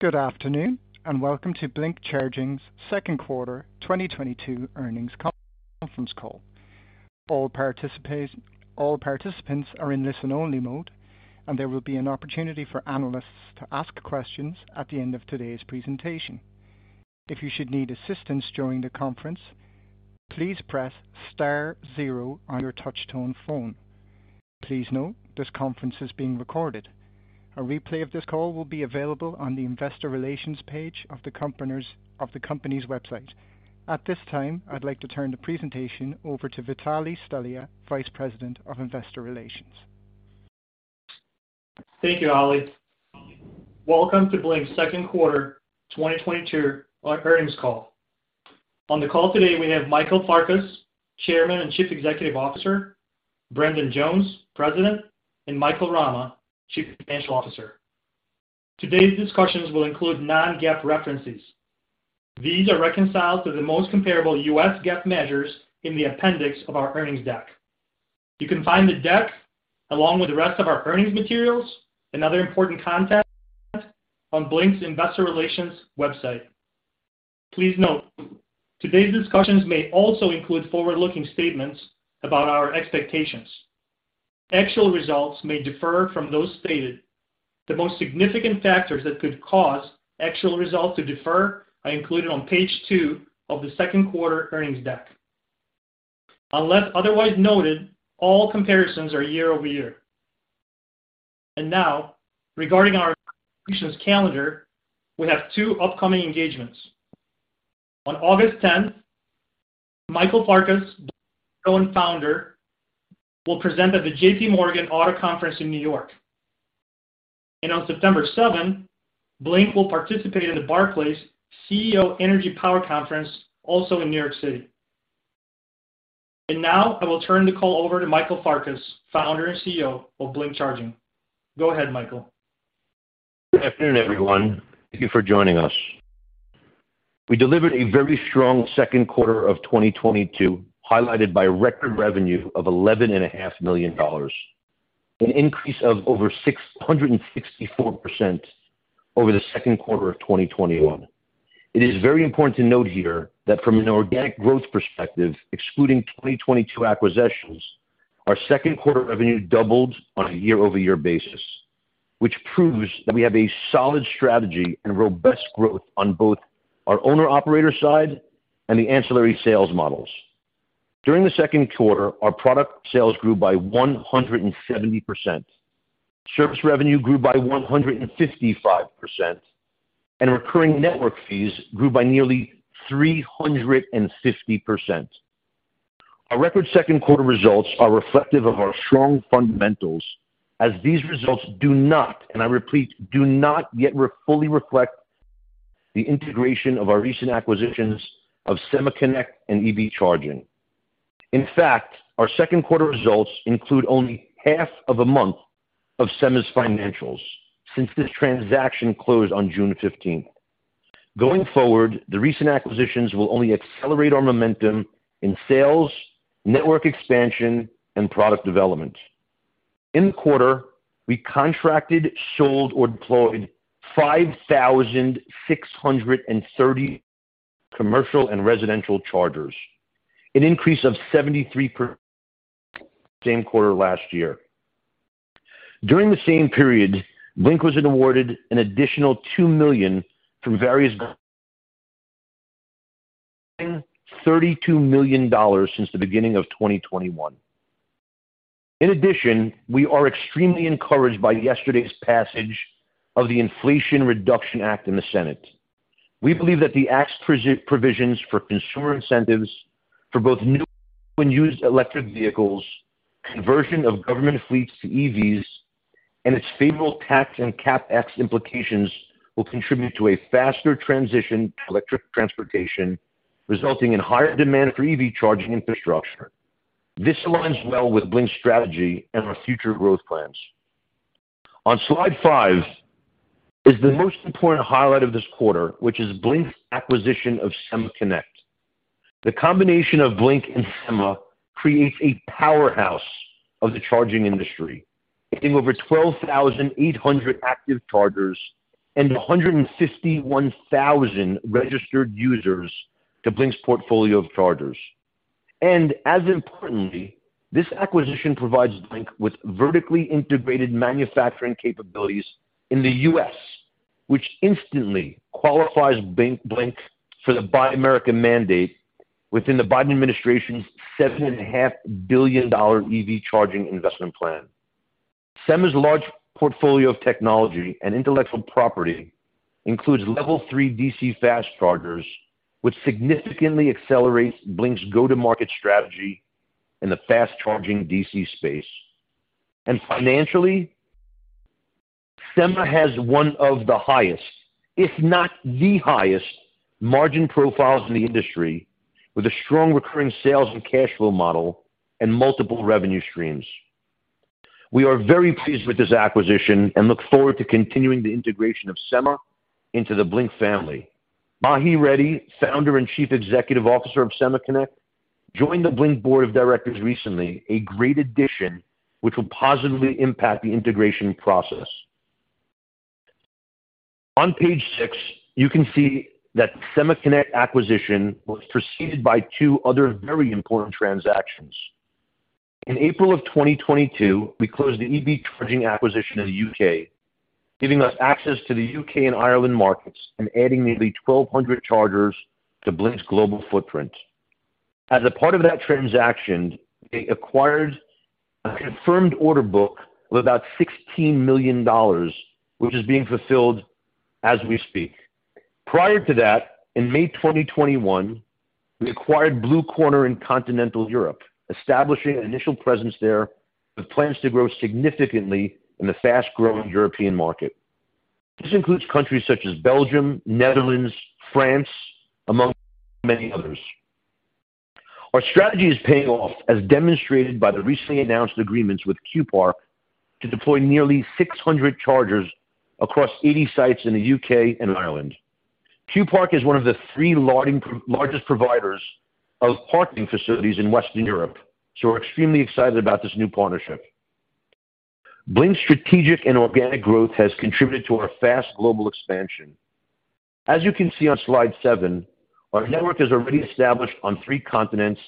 Good afternoon, and welcome to Blink Charging's second quarter 2022 earnings conference call. All participants are in listen-only mode, and there will be an opportunity for analysts to ask questions at the end of today's presentation. If you should need assistance during the conference, please press star zero on your touch tone phone. Please note, this conference is being recorded. A replay of this call will be available on the investor relations page of the company's website. At this time, I'd like to turn the presentation over to Vitalie Stelea, Vice President of Investor Relations. Thank you, Ali. Welcome to Blink's second quarter 2022 earnings call. On the call today, we Michael Farkas, Chairman and Chief Executive Officer, Brendan Jones, President, and Michael Rama, Chief Financial Officer. Today's discussions will include non-GAAP references. These are reconciled to the most comparable U.S. GAAP measures in the appendix of our earnings deck. You can find the deck along with the rest of our earnings materials and other important content on Blink's investor relations website. Please note, today's discussions may also include forward-looking statements about our expectations. Actual results may differ from those stated. The most significant factors that could cause actual results to differ are included on page two of the second quarter earnings deck. Unless otherwise noted, all comparisons are year-over-year. Now, regarding our institutional calendar, we have two upcoming engagements. On August 10th, Michael Farkas, Blink co-founder, will present at the JPMorgan Auto Conference in New York. On September 7th, Blink will participate in the Barclays CEO Energy-Power Conference also in New York City. Now, I will turn the call over to Michael Farkas, Founder and CEO of Blink Charging. Go ahead, Michael. Good afternoon, everyone. Thank you for joining us. We delivered a very strong second quarter of 2022, highlighted by record revenue of $11.5 million, an increase of over 664% over the second quarter of 2021. It is very important to note here that from an organic growth perspective, excluding 2022 acquisitions, our second quarter revenue doubled on a year-over-year basis, which proves that we have a solid strategy and robust growth on both our owner operator side and the ancillary sales models. During the second quarter, our product sales grew by 170%. Service revenue grew by 155%, and recurring network fees grew by nearly 350%. Our record second quarter results are reflective of our strong fundamentals as these results do not, and I repeat, do not yet fully reflect the integration of our recent acquisitions of SemaConnect and EB Charging. In fact, our second quarter results include only half of a month of SemaConnect's financials since this transaction closed on June 15th. Going forward, the recent acquisitions will only accelerate our momentum in sales, network expansion, and product development. In the quarter, we contracted, sold or deployed 5,630 commercial and residential chargers, an increase of 73% same quarter last year. During the same period, Blink was awarded an additional $2 million from a total of $32 million since the beginning of 2021. In addition, we are extremely encouraged by yesterday's passage of the Inflation Reduction Act in the Senate. We believe that the act's provisions for consumer incentives for both new and used electric vehicles, conversion of government fleets to EVs, and its favorable tax and CapEx implications will contribute to a faster transition to electric transportation, resulting in higher demand for EV charging infrastructure. This aligns well with Blink's strategy and our future growth plans. On slide five is the most important highlight of this quarter, which is Blink's acquisition of SemaConnect. The combination of Blink and SemaConnect creates a powerhouse of the charging industry, adding over 12,800 active chargers and 151,000 registered users to Blink's portfolio of chargers. As importantly, this acquisition provides Blink with vertically integrated manufacturing capabilities in the U.S., which instantly qualifies Blink for the Buy American mandate within the Biden administration's $7.5 billion EV charging investment plan. SemaConnect's large portfolio of technology and intellectual property includes level three DC fast chargers, which significantly accelerates Blink's go-to-market strategy in the fast charging DC space. Financially, SemaConnect has one of the highest, if not the highest margin profiles in the industry with a strong recurring sales and cash flow model and multiple revenue streams. We are very pleased with this acquisition and look forward to continuing the integration of SemaConnect into the Blink family. Mahi Reddy, Founder and Chief Executive Officer of SemaConnect, joined the Blink board of directors recently, a great addition which will positively impact the integration process. On page six, you can see that SemaConnect acquisition was preceded by two other very important transactions. In April 2022, we closed the EB Charging acquisition in the U.K., giving us access to the U.K. and Ireland markets and adding nearly 1,200 chargers to Blink's global footprint. As a part of that transaction, it acquired a confirmed order book of about $16 million, which is being fulfilled as we speak. Prior to that, in May 2021, we acquired Blue Corner in continental Europe, establishing an initial presence there with plans to grow significantly in the fast-growing European market. This includes countries such as Belgium, Netherlands, France, among many others. Our strategy is paying off, as demonstrated by the recently announced agreements with Q-Park to deploy nearly 600 chargers across 80 sites in the U.K. and Ireland. Q-Park is one of the three largest providers of parking facilities in Western Europe, so we're extremely excited about this new partnership. Blink's strategic and organic growth has contributed to our fast global expansion. As you can see on slide seven, our network is already established on three continents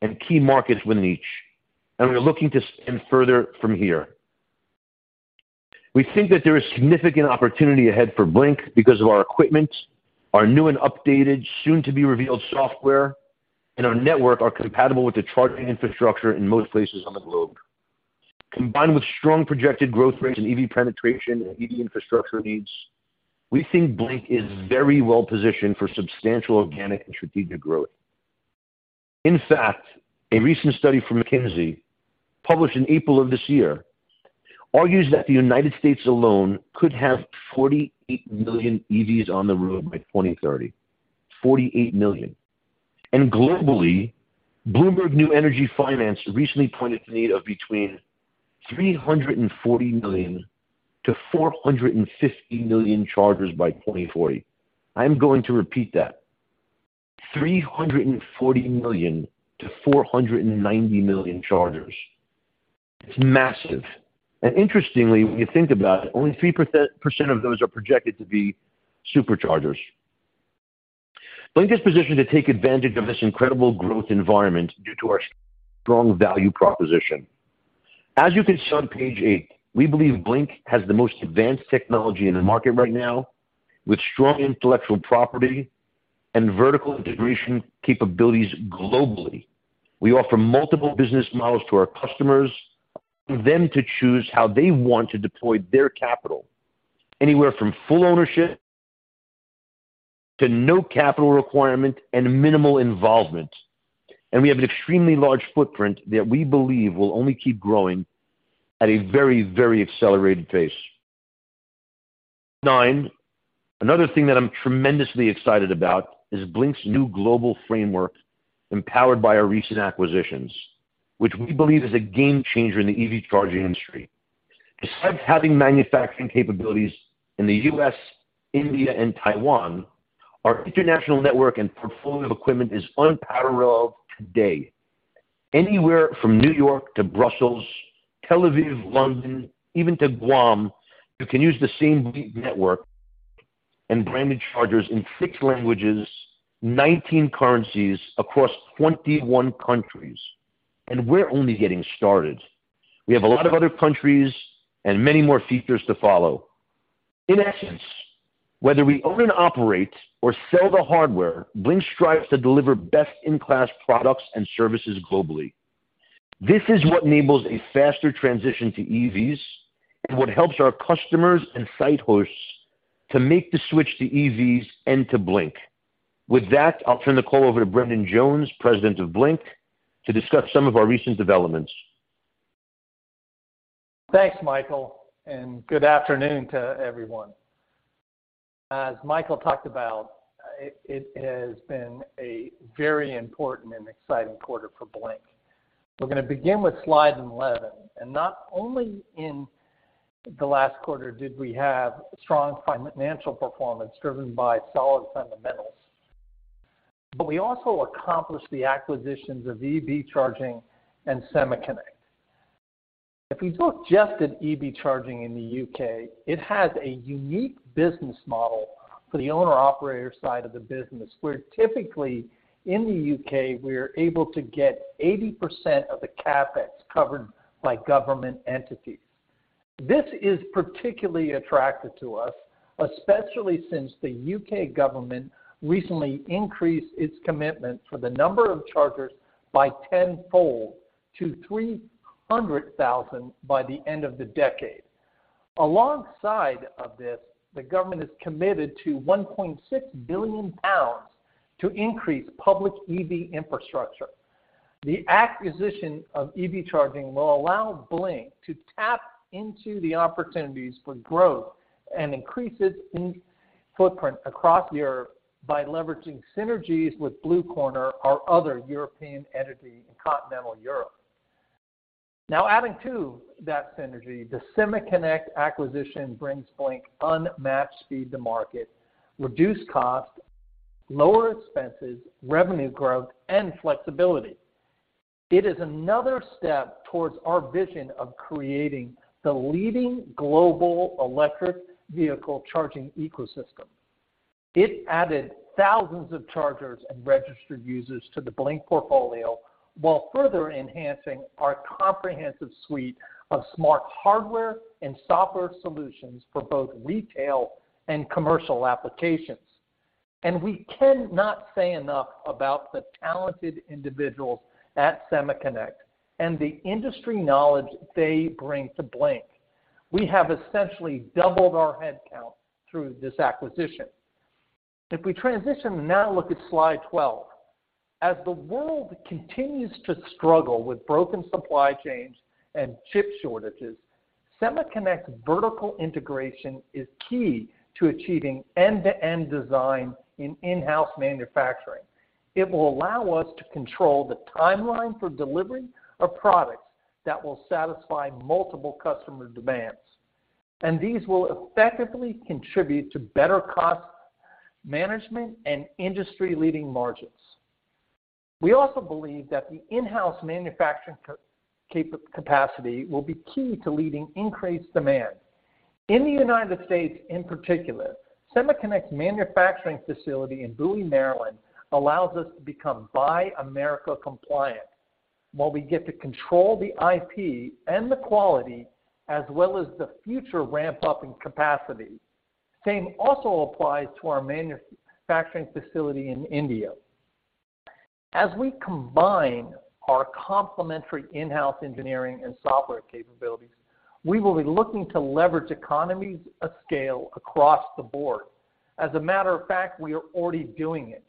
and key markets within each, and we're looking to expand further from here. We think that there is significant opportunity ahead for Blink because of our equipment, our new and updated, soon to be revealed software, and our network are compatible with the charging infrastructure in most places on the globe. Combined with strong projected growth rates in EV penetration and EV infrastructure needs, we think Blink is very well positioned for substantial organic and strategic growth. In fact, a recent study from McKinsey, published in April of this year, argues that the United States alone could have 48 million EVs on the road by 2030. 48 million. Globally, BloombergNEF recently pointed to the need of between 340 million and 450 million chargers by 2040. I'm going to repeat that. 340 million to 490 million chargers. It's massive. Interestingly, when you think about it, only 3% of those are projected to be Superchargers. Blink is positioned to take advantage of this incredible growth environment due to our strong value proposition. As you can see on page eight, we believe Blink has the most advanced technology in the market right now, with strong intellectual property and vertical integration capabilities globally. We offer multiple business models to our customers, allowing them to choose how they want to deploy their capital, anywhere from full ownership to no capital requirement and minimal involvement. We have an extremely large footprint that we believe will only keep growing at a very, very accelerated pace. Next, another thing that I'm tremendously excited about is Blink's new global framework empowered by our recent acquisitions, which we believe is a game changer in the EV charging industry. Besides having manufacturing capabilities in the U.S., India and Taiwan, our international network and portfolio of equipment is unparalleled today. Anywhere from New York to Brussels, Tel Aviv, London, even to Guam, you can use the same Blink Network and branded chargers in six languages, 19 currencies across 21 countries. We're only getting started. We have a lot of other countries and many more features to follow. In essence, whether we own and operate or sell the hardware, Blink strives to deliver best-in-class products and services globally. This is what enables a faster transition to EVs and what helps our customers and site hosts to make the switch to EVs and to Blink Charging. With that, I'll turn the call over to Brendan Jones, President of Blink Charging, to discuss some of our recent developments. Thanks, Michael, and good afternoon to everyone. As Michael talked about, it has been a very important and exciting quarter for Blink. We're going to begin with slide 11. Not only in the last quarter did we have strong financial performance driven by solid fundamentals, but we also accomplished the acquisitions of EB Charging and SemaConnect. If we look just at EB Charging in the U.K., it has a unique business model for the owner/operator side of the business, where typically in the U.K., we are able to get 80% of the CapEx covered by government entities. This is particularly attractive to us, especially since the U.K. government recently increased its commitment for the number of chargers by tenfold to 300,000 by the end of the decade. Alongside of this, the government has committed to 1.6 billion pounds to increase public EV infrastructure. The acquisition of EB Charging will allow Blink to tap into the opportunities for growth and increase its footprint across Europe by leveraging synergies with Blue Corner, our other European entity in continental Europe. Now adding to that synergy, the SemaConnect acquisition brings Blink unmatched speed to market, reduced costs, lower expenses, revenue growth and flexibility. It is another step towards our vision of creating the leading global electric vehicle charging ecosystem. It added thousands of chargers and registered users to the Blink portfolio, while further enhancing our comprehensive suite of smart hardware and software solutions for both retail and commercial applications. We cannot say enough about the talented individuals at SemaConnect and the industry knowledge they bring to Blink. We have essentially doubled our headcount through this acquisition. If we transition now, look at slide 12. As the world continues to struggle with broken supply chains and chip shortages, SemaConnect's vertical integration is key to achieving end-to-end design in in-house manufacturing. It will allow us to control the timeline for delivering a product that will satisfy multiple customer demands. These will effectively contribute to better cost management and industry-leading margins. We also believe that the in-house manufacturing capacity will be key to leading increased demand. In the United States in particular, SemaConnect's manufacturing facility in Bowie, Maryland, allows us to become Buy America compliant, while we get to control the IP and the quality as well as the future ramp up in capacity. Same also applies to our manufacturing facility in India. As we combine our complementary in-house engineering and software capabilities, we will be looking to leverage economies of scale across the board. As a matter of fact, we are already doing it.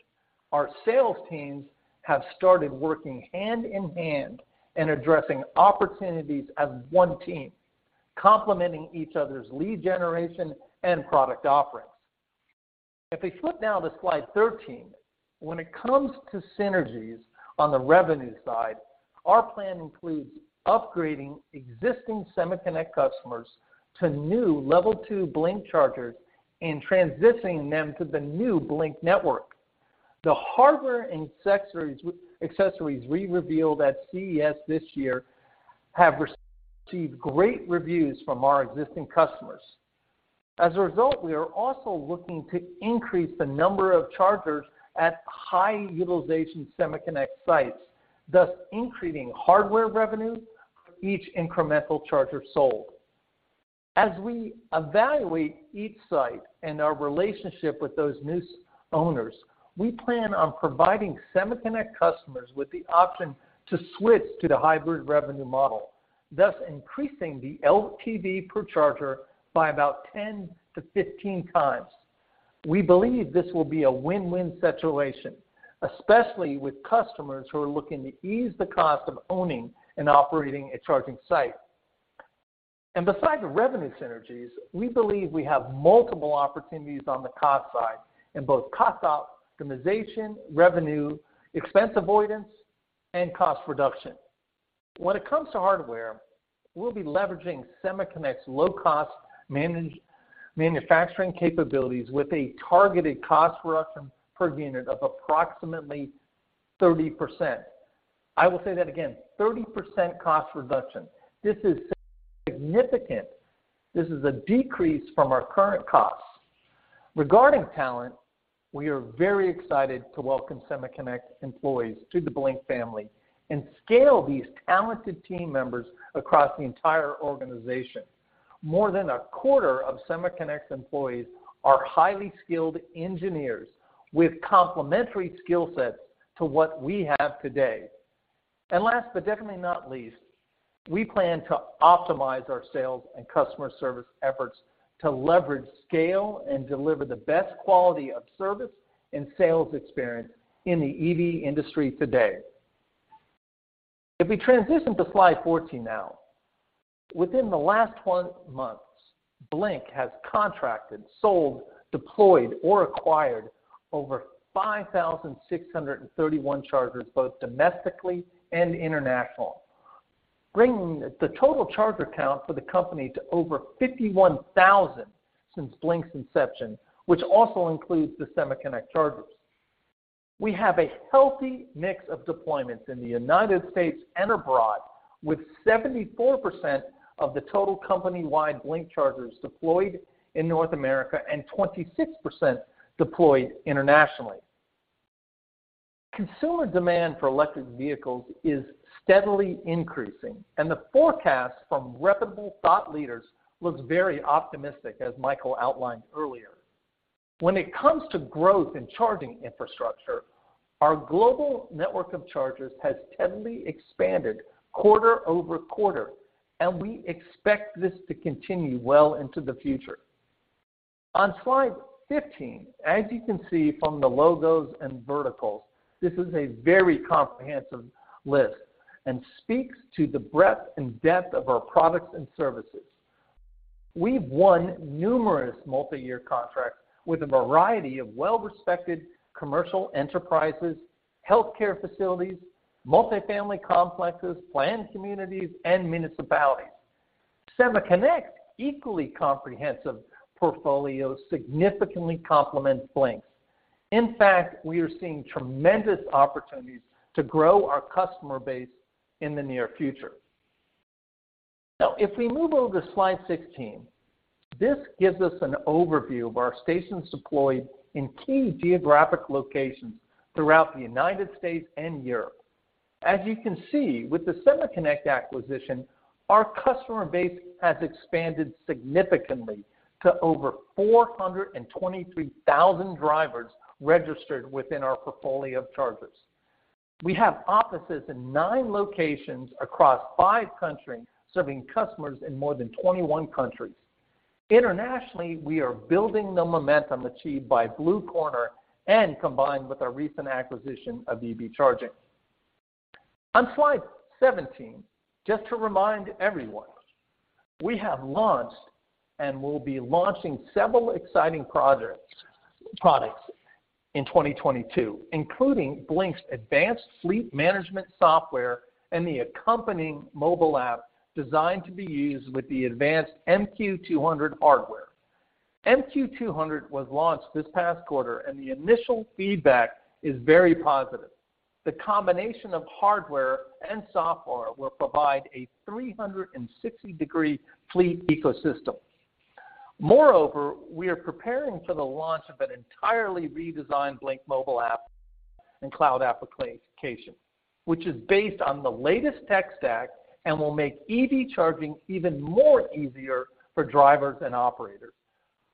Our sales teams have started working hand in hand in addressing opportunities as one team, complementing each other's lead generation and product offerings. If we flip now to slide 13. When it comes to synergies on the revenue side, our plan includes upgrading existing SemaConnect customers to new Level 2 Blink chargers and transitioning them to the new Blink Network. The hardware and accessories we revealed at CES this year have received great reviews from our existing customers. As a result, we are also looking to increase the number of chargers at high utilization SemaConnect sites, thus increasing hardware revenue for each incremental charger sold. As we evaluate each site and our relationship with those new owners, we plan on providing SemaConnect customers with the option to switch to the hybrid revenue model, thus increasing the LTV per charger by about 10-15 times. We believe this will be a win-win situation, especially with customers who are looking to ease the cost of owning and operating a charging site. Besides the revenue synergies, we believe we have multiple opportunities on the cost side in both cost optimization, revenue, expense avoidance, and cost reduction. When it comes to hardware, we'll be leveraging SemaConnect's low cost manufacturing capabilities with a targeted cost reduction per unit of approximately 30%. I will say that again, 30% cost reduction. This is significant. This is a decrease from our current costs. Regarding talent, we are very excited to welcome SemaConnect employees to the Blink family and scale these talented team members across the entire organization. More than a quarter of SemaConnect's employees are highly skilled engineers with complementary skill sets to what we have today. Last but definitely not least, we plan to optimize our sales and customer service efforts to leverage scale and deliver the best quality of service and sales experience in the EV industry today. If we transition to slide 14 now. Within the last 12 months, Blink has contracted, sold, deployed, or acquired over 5,631 chargers, both domestically and internationally, bringing the total charger count for the company to over 51,000 since Blink's inception, which also includes the SemaConnect chargers. We have a healthy mix of deployments in the United States and abroad, with 74% of the total company-wide Blink chargers deployed in North America and 26% deployed internationally. Consumer demand for electric vehicles is steadily increasing, and the forecast from reputable thought leaders looks very optimistic, as Michael outlined earlier. When it comes to growth in charging infrastructure, our global network of chargers has steadily expanded quarter-over-quarter, and we expect this to continue well into the future. On slide 15, as you can see from the logos and verticals, this is a very comprehensive list and speaks to the breadth and depth of our products and services. We've won numerous multiyear contracts with a variety of well-respected commercial enterprises, healthcare facilities, multifamily complexes, planned communities, and municipalities. SemaConnect's equally comprehensive portfolio significantly complements Blink's. In fact, we are seeing tremendous opportunities to grow our customer base in the near future. Now, if we move over to slide 16, this gives us an overview of our stations deployed in key geographic locations throughout the United States and Europe. As you can see, with the SemaConnect acquisition, our customer base has expanded significantly to over 423,000 drivers registered within our portfolio of chargers. We have offices in nine locations across five countries, serving customers in more than 21 countries. Internationally, we are building the momentum achieved by Blue Corner and combined with our recent acquisition of EB Charging. On slide 17, just to remind everyone, we have launched and will be launching several exciting projects, products in 2022, including Blink's advanced fleet management software and the accompanying mobile app designed to be used with the advanced MQ-200 hardware. MQ-200 was launched this past quarter, and the initial feedback is very positive. The combination of hardware and software will provide a 360-degree fleet ecosystem. Moreover, we are preparing for the launch of an entirely redesigned Blink mobile app and cloud application, which is based on the latest tech stack and will make EV charging even more easier for drivers and operators.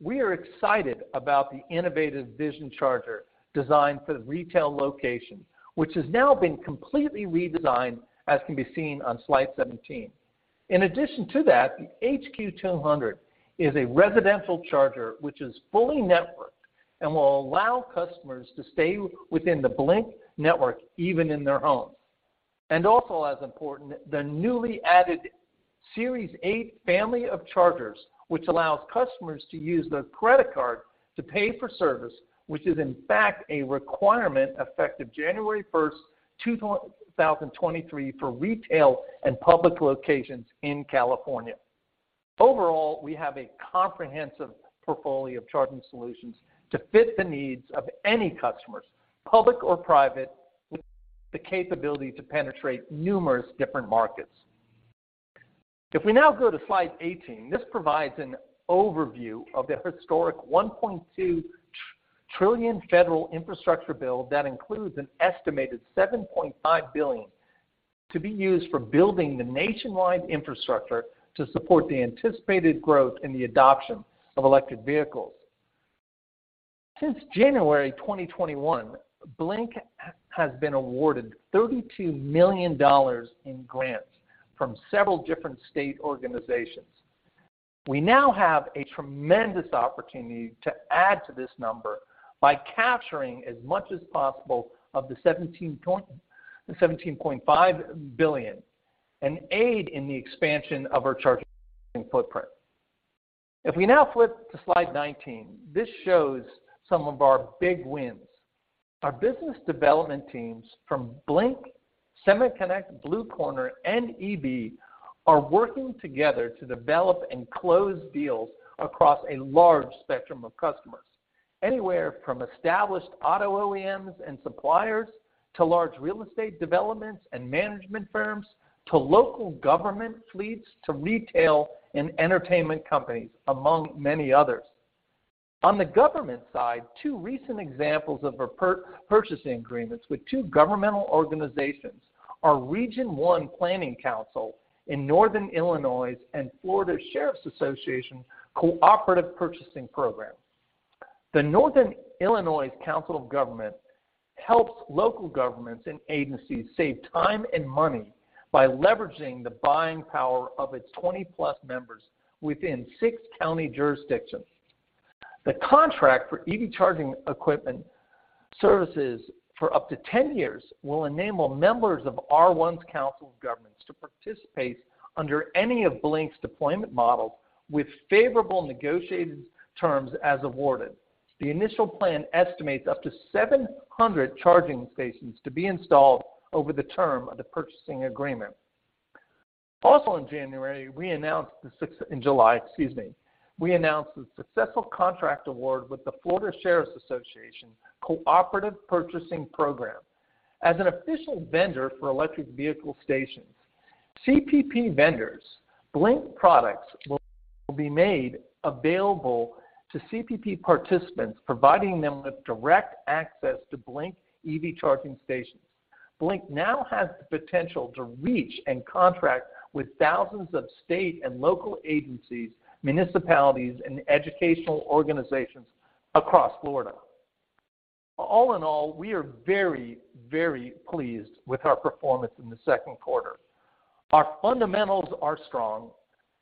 We are excited about the innovative Vision charger designed for retail locations, which has now been completely redesigned, as can be seen on slide 17. In addition to that, the HQ-200 is a residential charger which is fully networked and will allow customers to stay within the Blink network, even in their homes. Also as important, the newly added Series 8 family of chargers, which allows customers to use their credit card to pay for service, which is in fact a requirement effective January 1, 2023 for retail and public locations in California. Overall, we have a comprehensive portfolio of charging solutions to fit the needs of any customers, public or private, with the capability to penetrate numerous different markets. If we now go to slide 18, this provides an overview of the historic 1.2 trillion federal infrastructure bill that includes an estimated $7.5 billion to be used for building the nationwide infrastructure to support the anticipated growth in the adoption of electric vehicles. Since January 2021, Blink has been awarded $32 million in grants from several different state organizations. We now have a tremendous opportunity to add to this number by capturing as much as possible of the 17.5 billion and aid in the expansion of our charging footprint. If we now flip to slide 19, this shows some of our big wins. Our business development teams from Blink, SemaConnect, Blue Corner, and EB are working together to develop and close deals across a large spectrum of customers, anywhere from established auto OEMs and suppliers to large real estate developments and management firms to local government fleets to retail and entertainment companies, among many others. On the government side, two recent examples of purchasing agreements with two governmental organizations are Region 1 Planning Council in Northern Illinois and Florida Sheriffs Association Cooperative Purchasing Program. The Northern Illinois Council of Governments helps local governments and agencies save time and money by leveraging the buying power of its 20+ members within six county jurisdictions. The contract for EV charging equipment services for up to 10 years will enable members of R1's Council of Governments to participate under any of Blink's deployment models with favorable negotiated terms as awarded. The initial plan estimates up to 700 charging stations to be installed over the term of the purchasing agreement. In July, excuse me, we announced the successful contract award with the Florida Sheriffs Association Cooperative Purchasing Program. As an official vendor for electric vehicle stations, CPP vendors, Blink products will be made available to CPP participants, providing them with direct access to Blink EV charging stations. Blink now has the potential to reach and contract with thousands of state and local agencies, municipalities, and educational organizations across Florida. All in all, we are very, very pleased with our performance in the second quarter. Our fundamentals are strong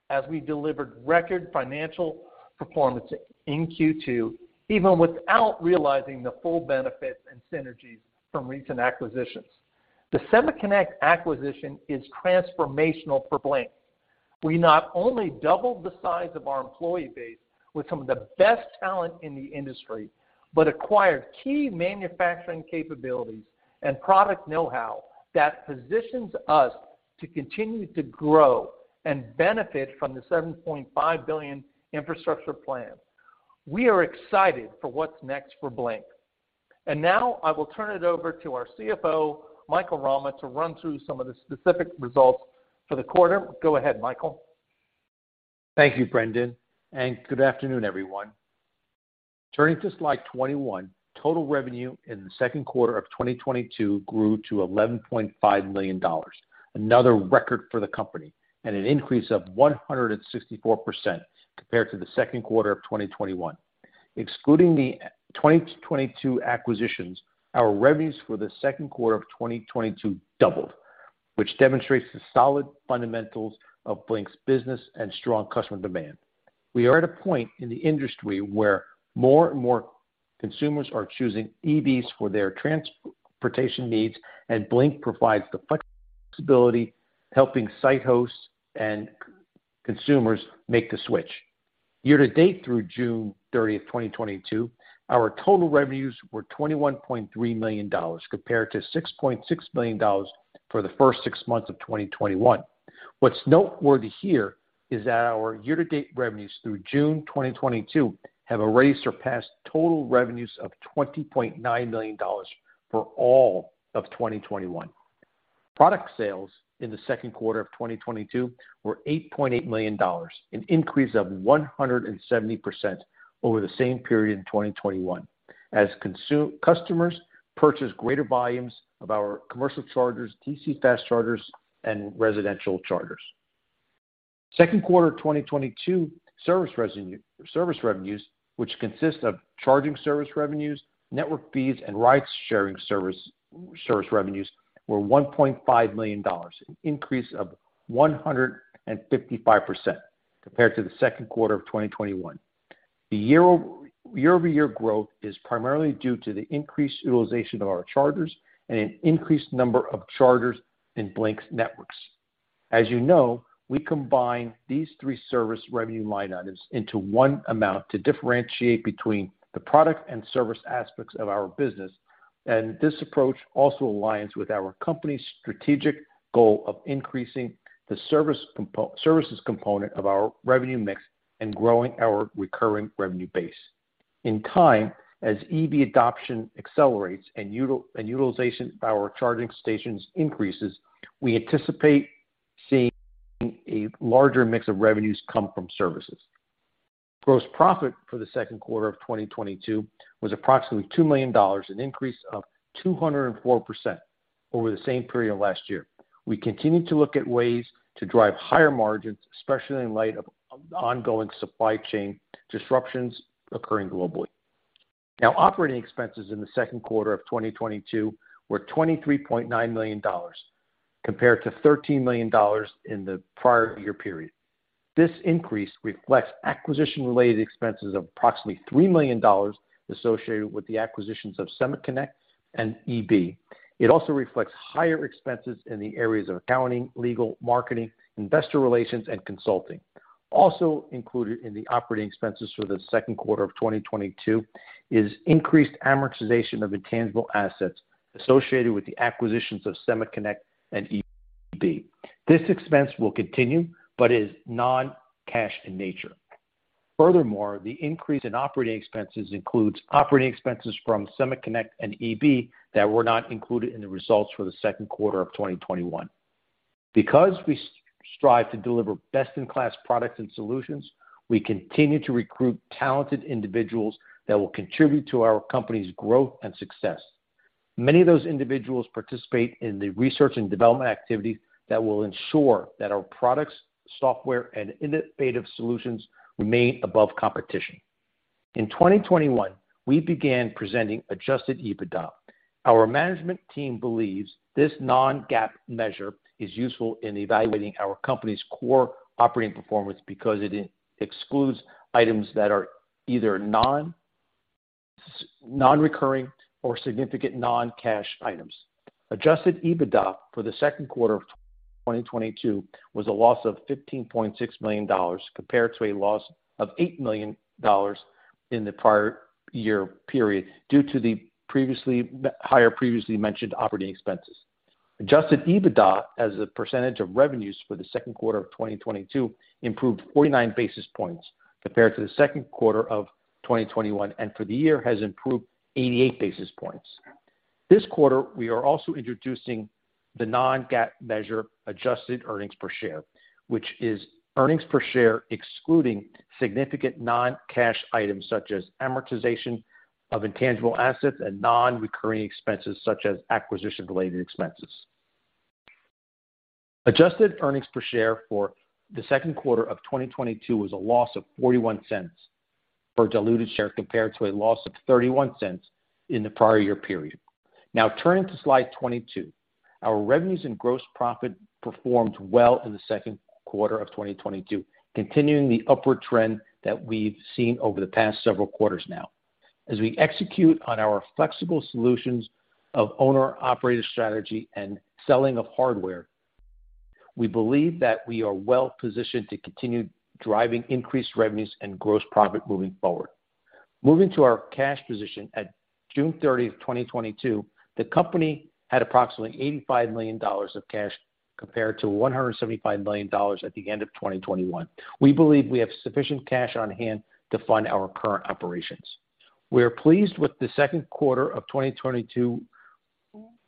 as we delivered record financial performance in Q2, even without realizing the full benefits and synergies from recent acquisitions. The SemaConnect acquisition is transformational for Blink. We not only doubled the size of our employee base with some of the best talent in the industry, but acquired key manufacturing capabilities and product know-how that positions us to continue to grow and benefit from the $7.5 billion infrastructure plan. We are excited for what's next for Blink. Now I will turn it over to our CFO, Michael Rama, to run through some of the specific results for the quarter. Go ahead, Michael. Thank you, Brendan, and good afternoon, everyone. Turning to slide 21, total revenue in the second quarter of 2022 grew to $11.5 million, another record for the company and an increase of 164% compared to the second quarter of 2021. Excluding the 2022 acquisitions, our revenues for the second quarter of 2022 doubled, which demonstrates the solid fundamentals of Blink's business and strong customer demand. We are at a point in the industry where more and more consumers are choosing EVs for their transportation needs, and Blink provides the flexibility helping site hosts and consumers make the switch. Year to date through June 30, 2022, our total revenues were $21.3 million compared to $6.6 million for the first six months of 2021. What's noteworthy here is that our year-to-date revenues through June 2022 have already surpassed total revenues of $20.9 million for all of 2021. Product sales in the second quarter of 2022 were $8.8 million, an increase of 170% over the same period in 2021 as customers purchased greater volumes of our commercial chargers, DC fast chargers, and residential chargers. Second quarter 2022 service revenues, which consist of charging service revenues, network fees, and ride-sharing service revenues were $1.5 million, an increase of 155% compared to the second quarter of 2021. The year-over-year growth is primarily due to the increased utilization of our chargers and an increased number of chargers in Blink's networks. As you know, we combine these three service revenue line items into one amount to differentiate between the product and service aspects of our business. This approach also aligns with our company's strategic goal of increasing the service component of our revenue mix and growing our recurring revenue base. In time, as EV adoption accelerates and utilization of our charging stations increases, we anticipate seeing a larger mix of revenues come from services. Gross profit for the second quarter of 2022 was approximately $2 million, an increase of 204% over the same period last year. We continue to look at ways to drive higher margins, especially in light of ongoing supply chain disruptions occurring globally. Now operating expenses in the second quarter of 2022 were $23.9 million compared to $13 million in the prior year period. This increase reflects acquisition-related expenses of approximately $3 million associated with the acquisitions of SemaConnect and EB. It also reflects higher expenses in the areas of accounting, legal, marketing, investor relations, and consulting. Also included in the operating expenses for the second quarter of 2022 is increased amortization of intangible assets associated with the acquisitions of SemaConnect and EB. This expense will continue but is non-cash in nature. Furthermore, the increase in operating expenses includes operating expenses from SemaConnect and EB that were not included in the results for the second quarter of 2021. Because we strive to deliver best-in-class products and solutions, we continue to recruit talented individuals that will contribute to our company's growth and success. Many of those individuals participate in the research and development activities that will ensure that our products, software, and innovative solutions remain above competition. In 2021, we began presenting adjusted EBITDA. Our management team believes this non-GAAP measure is useful in evaluating our company's core operating performance because it excludes items that are either non-recurring or significant non-cash items. Adjusted EBITDA for the second quarter of 2022 was a loss of $15.6 million compared to a loss of $8 million in the prior year period due to the higher previously mentioned operating expenses. Adjusted EBITDA as a percentage of revenues for the second quarter of 2022 improved 49 basis points compared to the second quarter of 2021, and for the year has improved 88 basis points. This quarter, we are also introducing the non-GAAP measure adjusted earnings per share, which is earnings per share excluding significant non-cash items such as amortization of intangible assets and non-recurring expenses such as acquisition-related expenses. Adjusted earnings per share for the second quarter of 2022 was a loss of $0.41 per diluted share compared to a loss of $0.31 in the prior year period. Now turning to slide 22. Our revenues and gross profit performed well in the second quarter of 2022, continuing the upward trend that we've seen over the past several quarters now. As we execute on our flexible solutions of owner operator strategy and selling of hardware, we believe that we are well-positioned to continue driving increased revenues and gross profit moving forward. Moving to our cash position at June 30 of 2022, the company had approximately $85 million of cash compared to $175 million at the end of 2021. We believe we have sufficient cash on hand to fund our current operations. We are pleased with the second quarter of 2022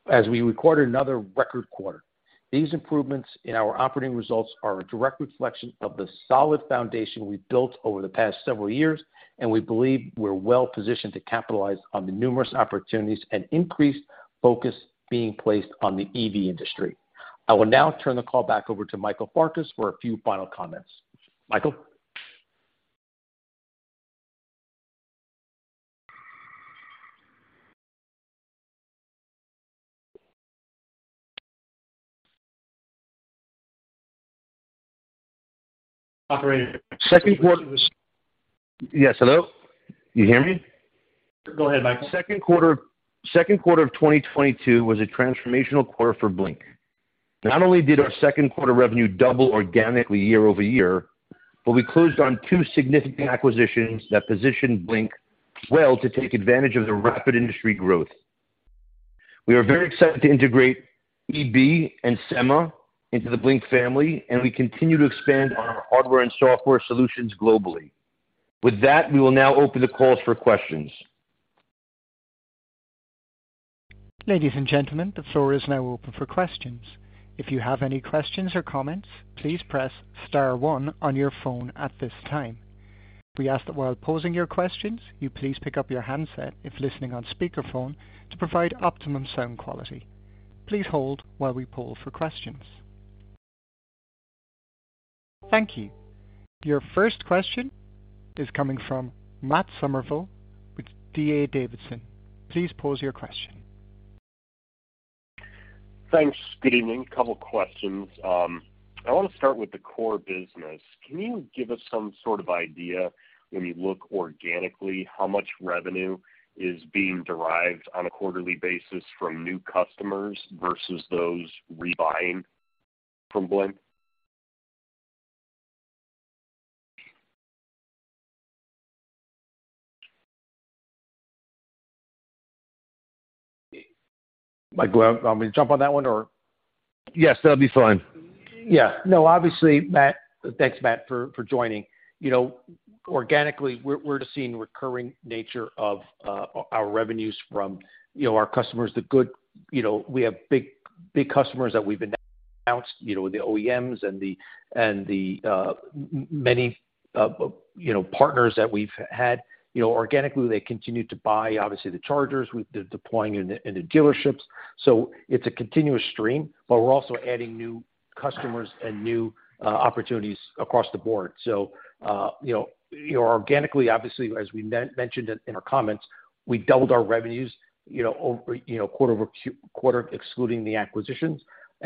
as we recorded another record quarter. These improvements in our operating results are a direct reflection of the solid foundation we've built over the past several years, and we believe we're well positioned to capitalize on the numerous opportunities and increased focus being placed on the EV industry. I will now turn the call back over Michael Farkas for a few final comments. Michael? Operator Second quarter was. Yes. Hello? Can you hear me? Go ahead, Michael. Second quarter of 2022 was a transformational quarter for Blink. Not only did our second quarter revenue double organically year-over-year, but we closed on two significant acquisitions that positioned Blink well to take advantage of the rapid industry growth. We are very excited to integrate EB and Sema into the Blink family, and we continue to expand on our hardware and software solutions globally. With that, we will now open the call for questions. Ladies and gentlemen, the floor is now open for questions. If you have any questions or comments, please press star one on your phone at this time. We ask that while posing your questions, you please pick up your handset if listening on speakerphone to provide optimum sound quality. Please hold while we poll for questions. Thank you. Your first question is coming from Matt Summerville with D.A. Davidson. Please pose your question. Thanks. Good evening. Couple questions. I want to start with the core business. Can you give us some sort of idea when you look organically, how much revenue is being derived on a quarterly basis from new customers versus those rebuying from Blink? Mike, do you want me to jump on that one or? Yes, that'd be fine. Yeah. No, obviously, Matt. Thanks, Matt, for joining. You know, organically, we're just seeing recurring nature of our revenues from, you know, our customers. You know, we have big customers that we've announced, you know, the OEMs and the many, you know, partners that we've had. You know, organically, they continue to buy, obviously, the chargers. They're deploying in the dealerships. So it's a continuous stream, but we're also adding new customers and new opportunities across the board. So, you know, organically, obviously, as we mentioned in our comments, we doubled our revenues, you know, over, you know, quarter over quarter excluding the acquisitions.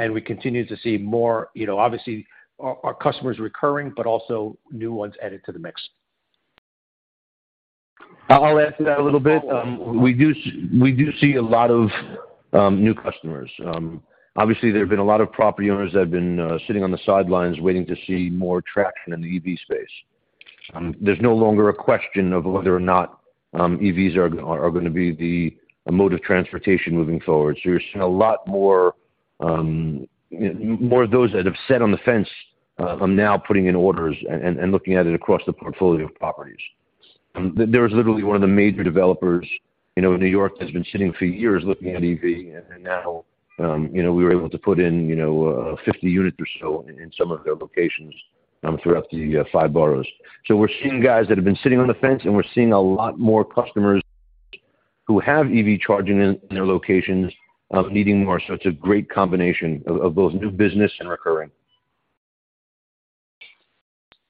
We continue to see more, you know, obviously, our customers recurring, but also new ones added to the mix. I'll add to that a little bit. We do see a lot of new customers. Obviously, there have been a lot of property owners that have been sitting on the sidelines waiting to see more traction in the EV space. There's no longer a question of whether or not EVs are gonna be the mode of transportation moving forward. You're seeing a lot more of those that have sat on the fence are now putting in orders and looking at it across the portfolio of properties. There was literally one of the major developers, you know, in New York that's been sitting for years looking at EV. Now, you know, we were able to put in, you know, 50 units or so in some of their locations throughout the five boroughs. We're seeing guys that have been sitting on the fence, and we're seeing a lot more customers who have EV charging in their locations, needing more. It's a great combination of both new business and recurring.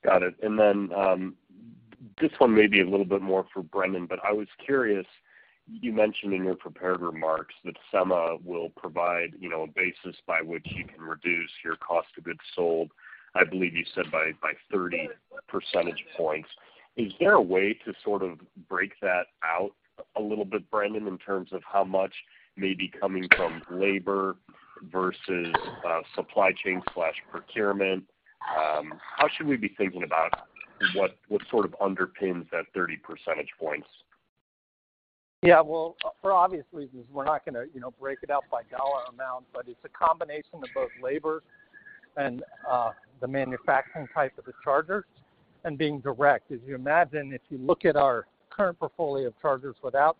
Got it. This one may be a little bit more for Brendan, but I was curious. You mentioned in your prepared remarks that Sema will provide, you know, a basis by which you can reduce your cost of goods sold, I believe you said by 30 percentage points. Is there a way to sort of break that out a little bit, Brendan, in terms of how much may be coming from labor versus supply chain/procurement? How should we be thinking about what sort of underpins that 30 percentage points? Yeah. Well, for obvious reasons, we're not gonna, you know, break it out by dollar amount, but it's a combination of both labor and the manufacturing type of the chargers and being direct. As you imagine, if you look at our current portfolio of chargers without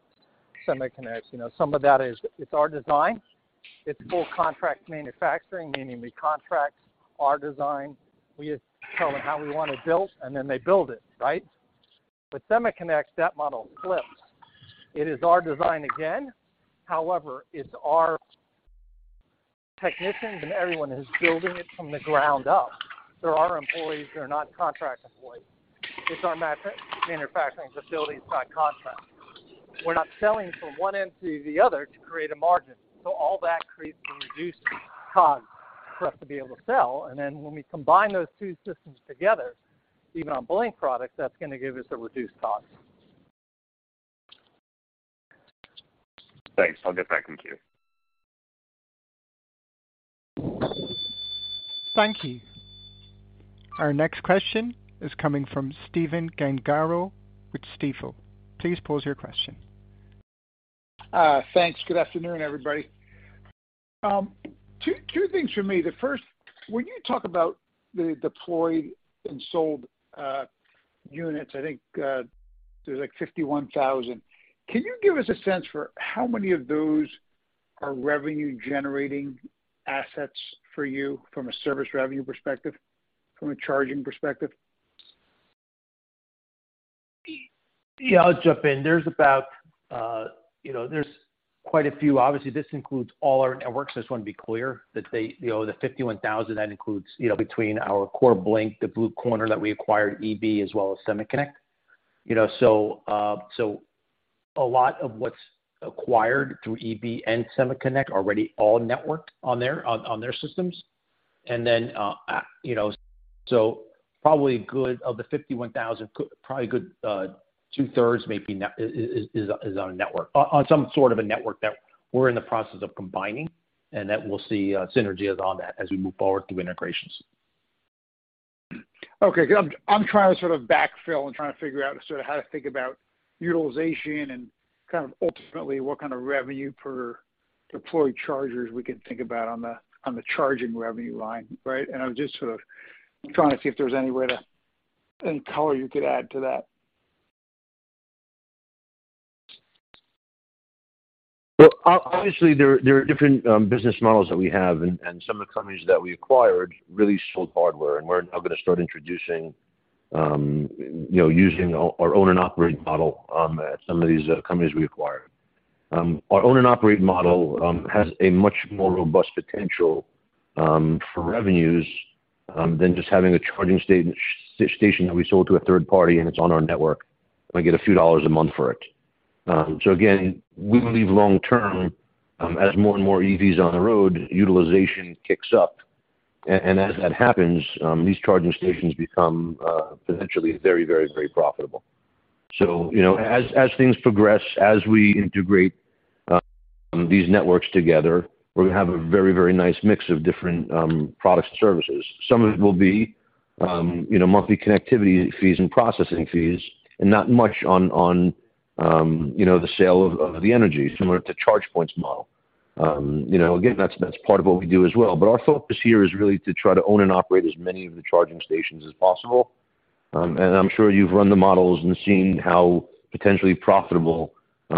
SemaConnect, you know, some of that is it's our design. It's full contract manufacturing, meaning we contract our design. We tell them how we want it built, and then they build it, right? With SemaConnect, that model flips. It is our design again. However, it's our technicians and everyone who's building it from the ground up. They're our employees. They're not contract employees. It's our manufacturing facilities, not contract. We're not selling from one end to the other to create a margin. So all that creates some reduced costs. For us to be able to sell. When we combine those two systems together, even on Blink products, that's gonna give us a reduced cost. Thanks. I'll get back in queue. Thank you. Our next question is coming from Stephen Gengaro with Stifel. Please pose your question. Thanks. Good afternoon, everybody. Two things for me. The first, when you talk about the deployed and sold units, I think there's like 51,000. Can you give us a sense for how many of those are revenue-generating assets for you from a service revenue perspective, from a charging perspective? Yeah, I'll jump in. There's about, you know, there's quite a few. Obviously, this includes all our networks. I just wanna be clear that they, you know, the 51,000, that includes, you know, between our core Blink, the Blue Corner that we acquired, EB, as well as SemaConnect. You know, so a lot of what's acquired through EB and SemaConnect are already all networked on their systems. You know, so probably a good of the 51,000 probably a good two-thirds maybe is on a network. On some sort of a network that we're in the process of combining, and that we'll see synergies on that as we move forward through integrations. Okay, good. I'm trying to sort of backfill and trying to figure out sort of how to think about utilization and kind of ultimately what kind of revenue per deployed chargers we can think about on the charging revenue line, right? I'm just sort of trying to see if there's any color you could add to that. Obviously, there are different business models that we have and some of the companies that we acquired really sold hardware. We're now gonna start introducing, you know, using our own and operate model on some of these companies we acquired. Our own and operate model has a much more robust potential for revenues than just having a charging station that we sold to a third party and it's on our network. I get a few dollars a month for it. Again, we believe long term, as more and more EVs on the road, utilization kicks up. And as that happens, these charging stations become potentially very profitable. You know, as things progress, as we integrate these networks together, we're gonna have a very, very nice mix of different products and services. Some of it will be, you know, monthly connectivity fees and processing fees and not much on the sale of the energy, similar to ChargePoint's model. You know, again, that's part of what we do as well. Our focus here is really to try to own and operate as many of the charging stations as possible. I'm sure you've run the models and seen how potentially profitable,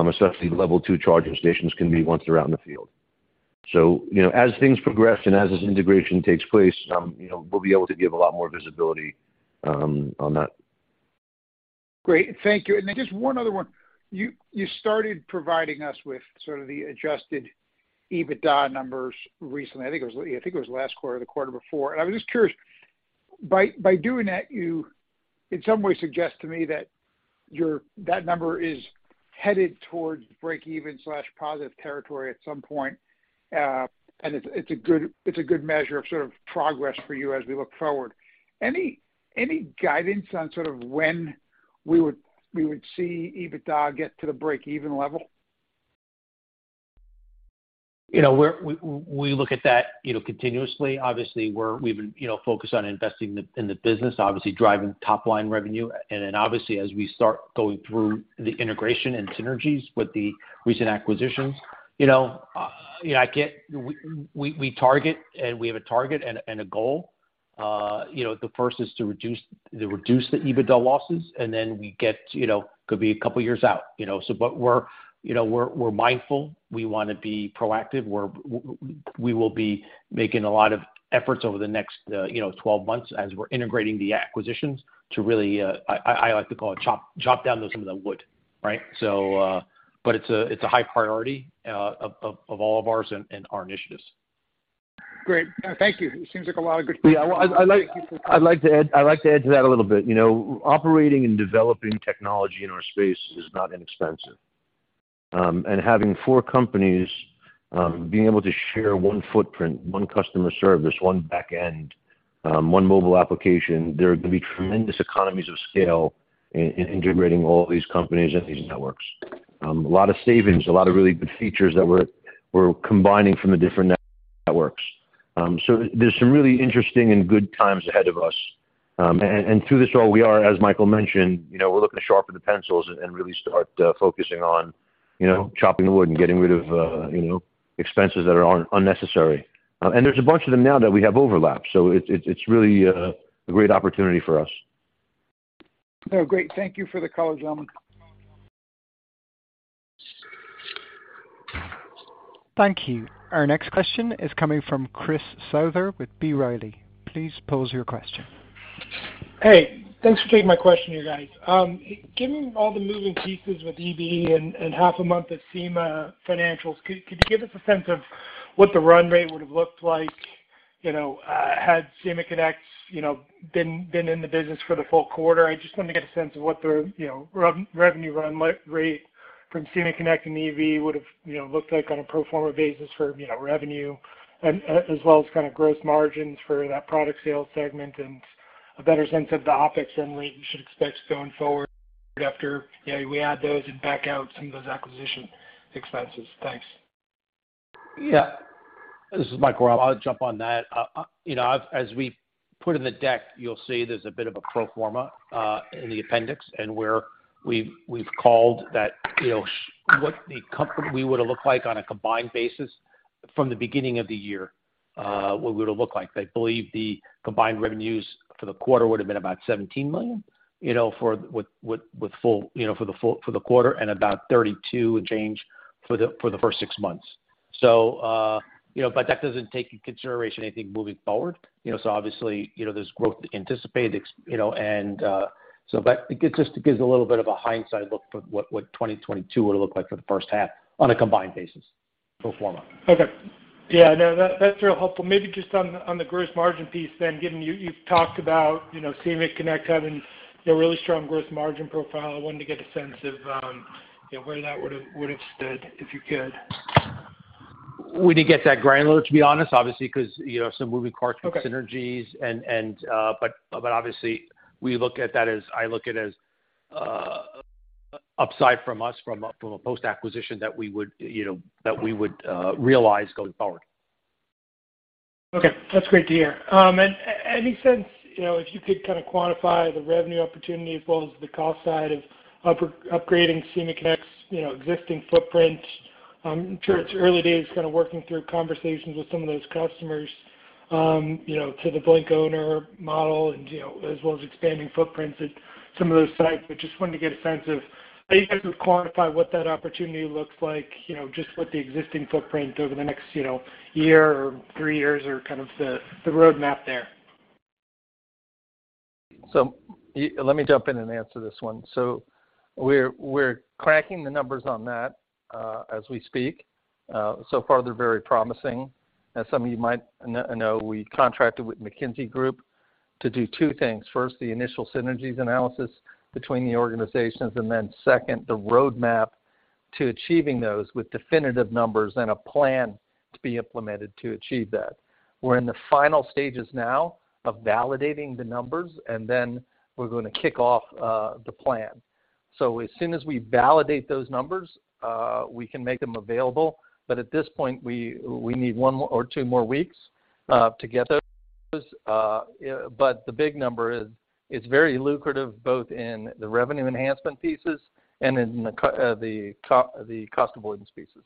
especially level two charging stations can be once they're out in the field. You know, as things progress and as this integration takes place, we'll be able to give a lot more visibility on that. Great. Thank you. Just one other one. You started providing us with sort of the adjusted EBITDA numbers recently. I think it was last quarter or the quarter before. I was just curious, by doing that, you in some way suggest to me that that number is headed towards break-even/positive territory at some point, and it's a good measure of sort of progress for you as we look forward. Any guidance on sort of when we would see EBITDA get to the break-even level? You know, we look at that, you know, continuously. Obviously, we've been, you know, focused on investing in the business, obviously driving top-line revenue. Then obviously, as we start going through the integration and synergies with the recent acquisitions, you know, you know, we target and we have a target and a goal. You know, the first is to reduce the EBITDA losses, and then we get, you know, could be a couple years out, you know. But we're, you know, mindful. We wanna be proactive. We will be making a lot of efforts over the next, you know, 12 months as we're integrating the acquisitions to really, I like to call it chop down some of the wood, right? It's a high priority of all of ours and our initiatives. Great. Thank you. It seems like a lot of good. Yeah. I'd like- Thank you. I'd like to add to that a little bit. You know, operating and developing technology in our space is not inexpensive. Having four companies being able to share one footprint, one customer service, one back end, one mobile application, there are gonna be tremendous economies of scale in integrating all these companies and these networks. A lot of savings, a lot of really good features that we're combining from the different networks. There's some really interesting and good times ahead of us. Through this role, we are, as Michael mentioned, you know, we're looking to sharpen the pencils and really start focusing on, you know, chopping the wood and getting rid of, you know, expenses that are unnecessary. There's a bunch of them now that we have overlap. It's really a great opportunity for us. Oh, great. Thank you for the color, gentlemen. Thank you. Our next question is coming from Chris Souther with B. Riley. Please pose your question. Hey. Thanks for taking my question, you guys. Given all the moving pieces with EV and half a month of Sema financials, could you give us a sense of what the run rate would have looked like, you know, had SemaConnect been in the business for the full quarter? I just wanted to get a sense of what the, you know, revenue run rate from SemaConnect and EV would have, you know, looked like on a pro forma basis for, you know, revenue and as well as kinda gross margins for that product sales segment and a better sense of the OpEx that we should expect going forward after we add those and back out some of those acquisition expenses. Thanks. Yeah. This is Michael. I'll jump on that. You know, as we put in the deck, you'll see there's a bit of a pro forma in the appendix, and where we've called that, you know, what the company would have looked like on a combined basis from the beginning of the year, what it would have looked like. I believe the combined revenues for the quarter would have been about $17 million, you know, for the full quarter and about $32 million and change for the first six months. You know, but that doesn't take into consideration anything moving forward. You know, obviously, you know, there's growth anticipated, but it just gives a little bit of a hindsight look for what 2022 would look like for the first half on a combined basis. Pro forma. Okay. Yeah, no, that's real helpful. Maybe just on the gross margin piece then, given you've talked about, you know, SemaConnect having a really strong gross margin profile. I wanted to get a sense of, you know, where that would've stood, if you could? We didn't get that granular, to be honest, obviously, 'cause, you know, some moving parts with synergies. Okay. Obviously, I look at it as upside for us from a post-acquisition that we would, you know, realize going forward. Okay. That's great to hear. Any sense, you know, if you could kinda quantify the revenue opportunity as well as the cost side of upgrading SemaConnect's, you know, existing footprint. I'm sure it's early days kinda working through conversations with some of those customers, you know, to the Blink owner model and, you know, as well as expanding footprints at some of those sites. Just wanted to get a sense of how you guys would quantify what that opportunity looks like, you know, just with the existing footprint over the next, you know, year or three years or kind of the roadmap there. Let me jump in and answer this one. We're cracking the numbers on that as we speak. So far they're very promising. As some of you might know, we contracted with McKinsey Group to do two things. First, the initial synergies analysis between the organizations, and then second, the roadmap to achieving those with definitive numbers and a plan to be implemented to achieve that. We're in the final stages now of validating the numbers, and then we're gonna kick off the plan. As soon as we validate those numbers, we can make them available. At this point, we need one or two more weeks to get those. The big number is, it's very lucrative both in the revenue enhancement pieces and in the cost avoidance pieces.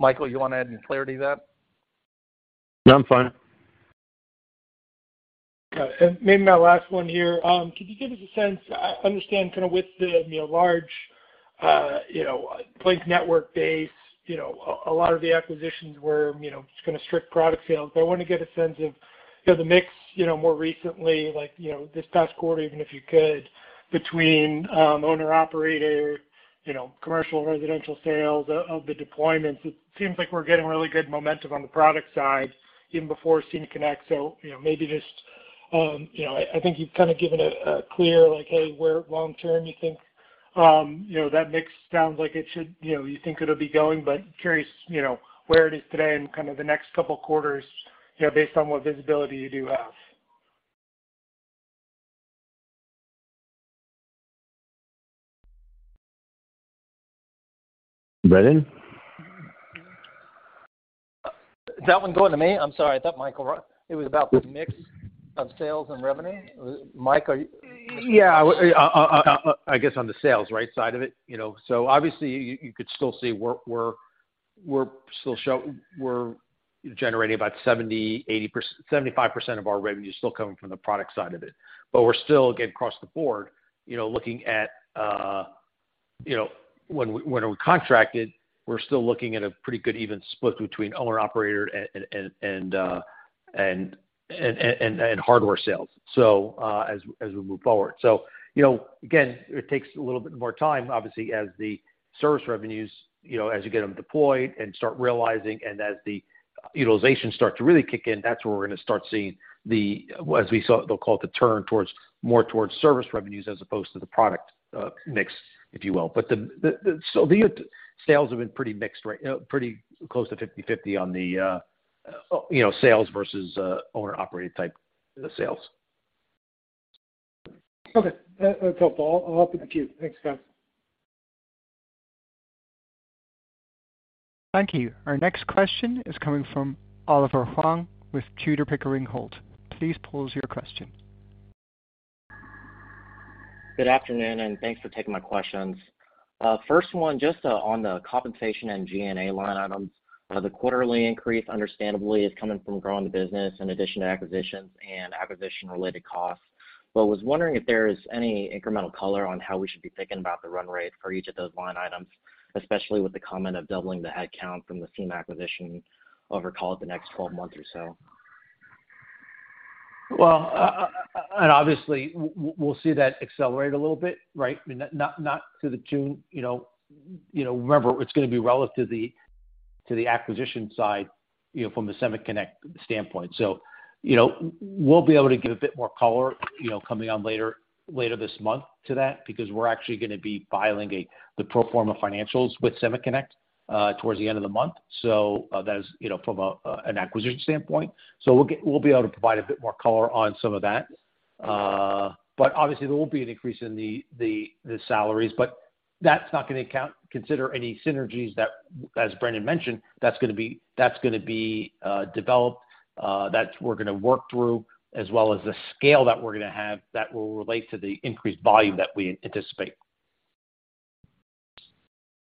Michael, you wanna add any clarity to that? No, I'm fine. Okay. Maybe my last one here. Could you give us a sense? I understand kinda with the, you know, large, you know, Blink network base, you know, a lot of the acquisitions were, you know, just kinda strict product sales. I wanted to get a sense of, you know, the mix, you know, more recently, like, you know, this past quarter, even if you could, between, you know, owner-operator, you know, commercial, residential sales of the deployments. It seems like we're getting really good momentum on the product side even before SemaConnect. You know, maybe just, you know. I think you've kinda given a clear, like, hey, where long term you think, you know, that mix sounds like it should, you know, you think it'll be going, but curious, you know, where it is today and kind of the next couple quarters, you know, based on what visibility you do have. Brendan? Is that one going to me? I'm sorry. I thought Michael. It was about the mix of sales and revenue. Mike, are you? Yeah. I guess on the sales, right, side of it. You know, so obviously you could still see we're generating 75% of our revenue is still coming from the product side of it. But we're still, again, across the board, you know, looking at, you know, when we contracted, we're still looking at a pretty good even split between owner operator and hardware sales. As we move forward. You know, again, it takes a little bit more time, obviously, as the service revenues, you know, as you get them deployed and start realizing, and as the utilization start to really kick in, that's where we're gonna start seeing the, as we saw, they'll call it the turn towards more service revenues as opposed to the product mix, if you will. The sales have been pretty mixed, right, pretty close to 50/50 on the, you know, sales versus owner operated type sales. Okay. That's helpful. I'll open the queue. Thanks, guys. Thank you. Our next question is coming from Oliver Huang with Tudor, Pickering, Holt. Please pose your question. Good afternoon, and thanks for taking my questions. First one, just, on the compensation and G&A line item. The quarterly increase understandably is coming from growing the business in addition to acquisitions and acquisition-related costs. Was wondering if there is any incremental color on how we should be thinking about the run rate for each of those line items, especially with the comment of doubling the headcount from the SemaConnect acquisition over, call it, the next 12 months or so. Well, obviously we'll see that accelerate a little bit, right? I mean, not through the June. You know, remember, it's gonna be relative to the acquisition side, you know, from the SemaConnect standpoint. You know, we'll be able to give a bit more color, you know, coming on later this month to that because we're actually gonna be filing the pro forma financials with SemaConnect. Towards the end of the month. That is, you know, from an acquisition standpoint. We'll be able to provide a bit more color on some of that. But obviously, there will be an increase in the salaries, but that's not gonna consider any synergies that, as Brendan mentioned, that's gonna be developed that we're gonna work through as well as the scale that we're gonna have that will relate to the increased volume that we anticipate.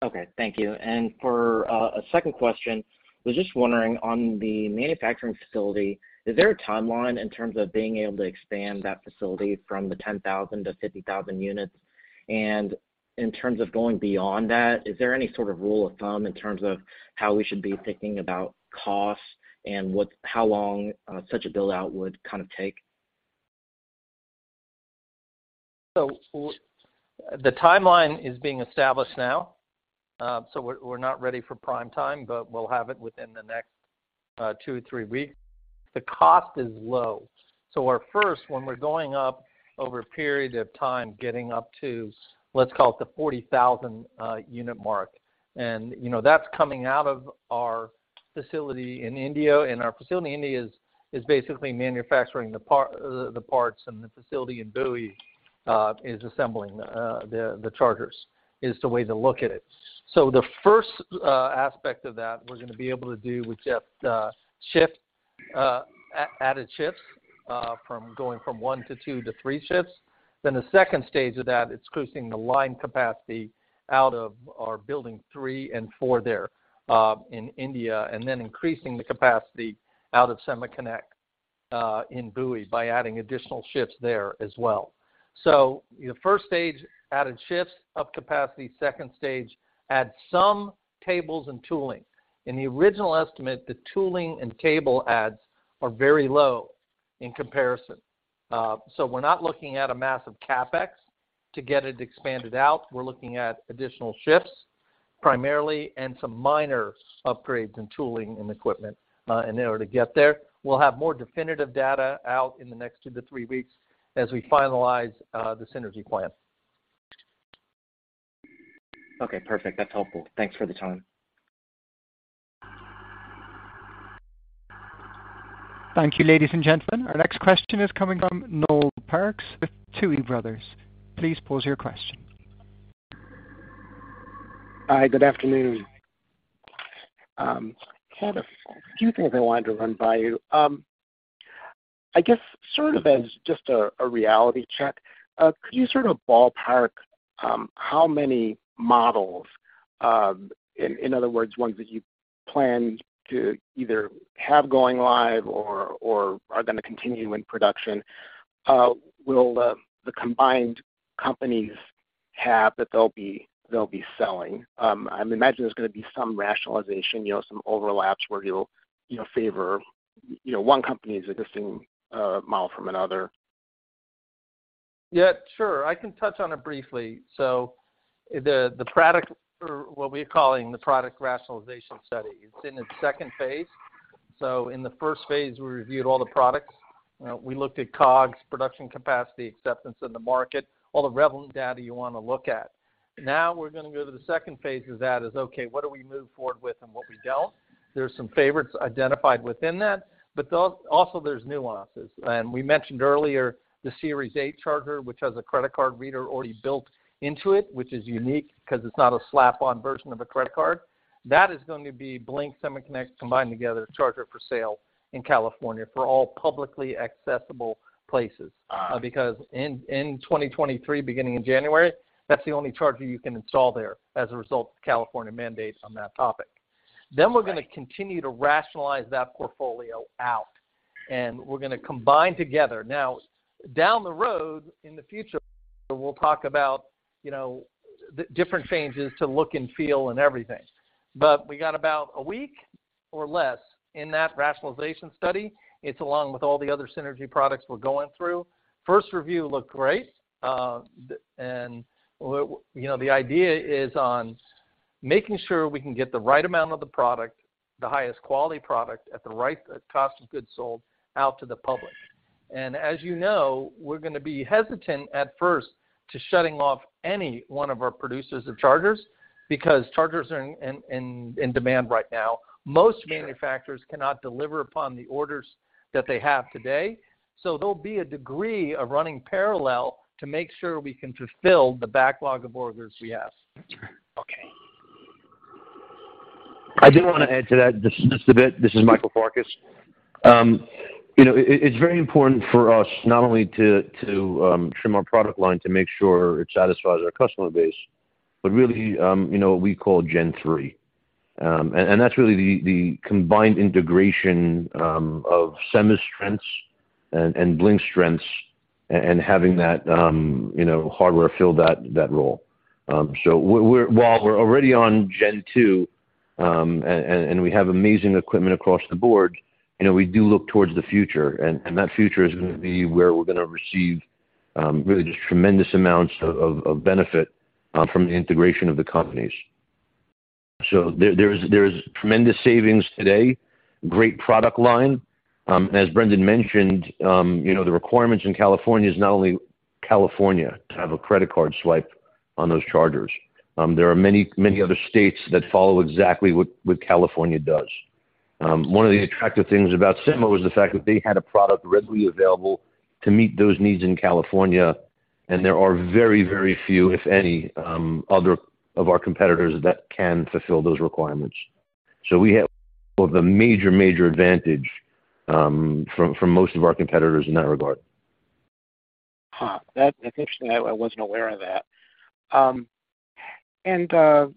Okay. Thank you. For a second question, I was just wondering on the manufacturing facility, is there a timeline in terms of being able to expand that facility from the 10,000-50,000 units? In terms of going beyond that, is there any sort of rule of thumb in terms of how we should be thinking about costs and how long such a build-out would kind of take? The timeline is being established now. We're not ready for prime time, but we'll have it within the next two-three weeks. The cost is low. Our first, when we're going up over a period of time, getting up to, let's call it the 40,000 unit mark, and you know, that's coming out of our facility in India, and our facility in India is basically manufacturing the parts, and the facility in Bowie is assembling the chargers, is the way to look at it. The first aspect of that, we're gonna be able to do with just added shifts from going from one to two to three shifts. The second stage of that, it's increasing the line capacity out of our building three and four there, in India, and then increasing the capacity out of SemaConnect, in Bowie by adding additional shifts there as well. Your first stage, added shifts up capacity. Second stage, add some tables and tooling. In the original estimate, the tooling and table adds are very low in comparison. We're not looking at a massive CapEx to get it expanded out. We're looking at additional shifts primarily and some minor upgrades in tooling and equipment, in order to get there. We'll have more definitive data out in the next two-three weeks as we finalize the synergy plan. Okay, perfect. That's helpful. Thanks for the time. Thank you, ladies and gentlemen. Our next question is coming from Noel Parks with Tuohy Brothers. Please pose your question. Hi, good afternoon. Kind of a few things I wanted to run by you. I guess sort of as just a reality check, could you sort of ballpark how many models, in other words, ones that you plan to either have going live or are gonna continue in production, will the combined companies have that they'll be selling? I imagine there's gonna be some rationalization, you know, some overlaps where you'll, you know, favor, you know, one company's existing model from another. Yeah, sure. I can touch on it briefly. The product or what we're calling the product rationalization study, it's in its second phase. In the first phase, we reviewed all the products. You know, we looked at COGS, production capacity, acceptance in the market, all the relevant data you wanna look at. Now we're gonna go to the second phase of that is, okay, what do we move forward with and what we don't? There's some favorites identified within that, but those, also there's nuances. We mentioned earlier the Series 8 charger, which has a credit card reader already built into it, which is unique 'cause it's not a slap-on version of a credit card. That is gonna be Blink, SemaConnect combined together, a charger for sale in California for all publicly accessible places. Because in 2023, beginning in January, that's the only charger you can install there as a result of California mandate on that topic. We're gonna continue to rationalize that portfolio out, and we're gonna combine together. Now, down the road in the future, we'll talk about, you know, the different changes to look and feel and everything. We got about a week or less in that rationalization study. It's along with all the other synergy products we're going through. First review looked great. Well, you know, the idea is on making sure we can get the right amount of the product, the highest quality product at the right cost of goods sold out to the public. As you know, we're gonna be hesitant at first to shutting off any one of our producers of chargers because chargers are in demand right now. Most manufacturers cannot deliver upon the orders that they have today. There'll be a degree of running parallel to make sure we can fulfill the backlog of orders we have. That's right. Okay. I do wanna add to that just a bit. This is Michael Farkas. You know, it's very important for us not only to trim our product line to make sure it satisfies our customer base, but really, you know, what we call Gen 3. That's really the combined integration of Sema strengths and Blink strengths and having that, you know, hardware fill that role. While we're already on Gen 2, and we have amazing equipment across the board, you know, we do look towards the future, and that future is gonna be where we're gonna receive really just tremendous amounts of benefit from the integration of the companies. There is tremendous savings today, great product line. As Brendan mentioned, you know, the requirements in California is not only California to have a credit card swipe on those chargers. There are many other states that follow exactly what California does. One of the attractive things about Sema was the fact that they had a product readily available to meet those needs in California, and there are very few, if any, other of our competitors that can fulfill those requirements. We have the major advantage from most of our competitors in that regard. Huh. That's interesting. I wasn't aware of that. I guess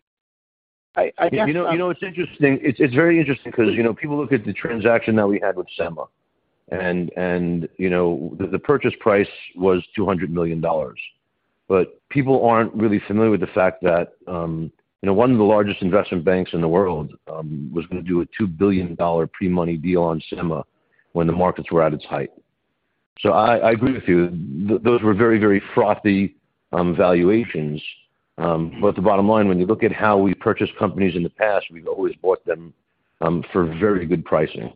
You know what's interesting? It's very interesting 'cause, you know, people look at the transaction that we had with Sema and, you know, the purchase price was $200 million. People aren't really familiar with the fact that, you know, one of the largest investment banks in the world was gonna do a $2 billion pre-money deal on Sema when the markets were at its height. I agree with you. Those were very frothy valuations. The bottom line, when you look at how we purchased companies in the past, we've always bought them for very good pricing.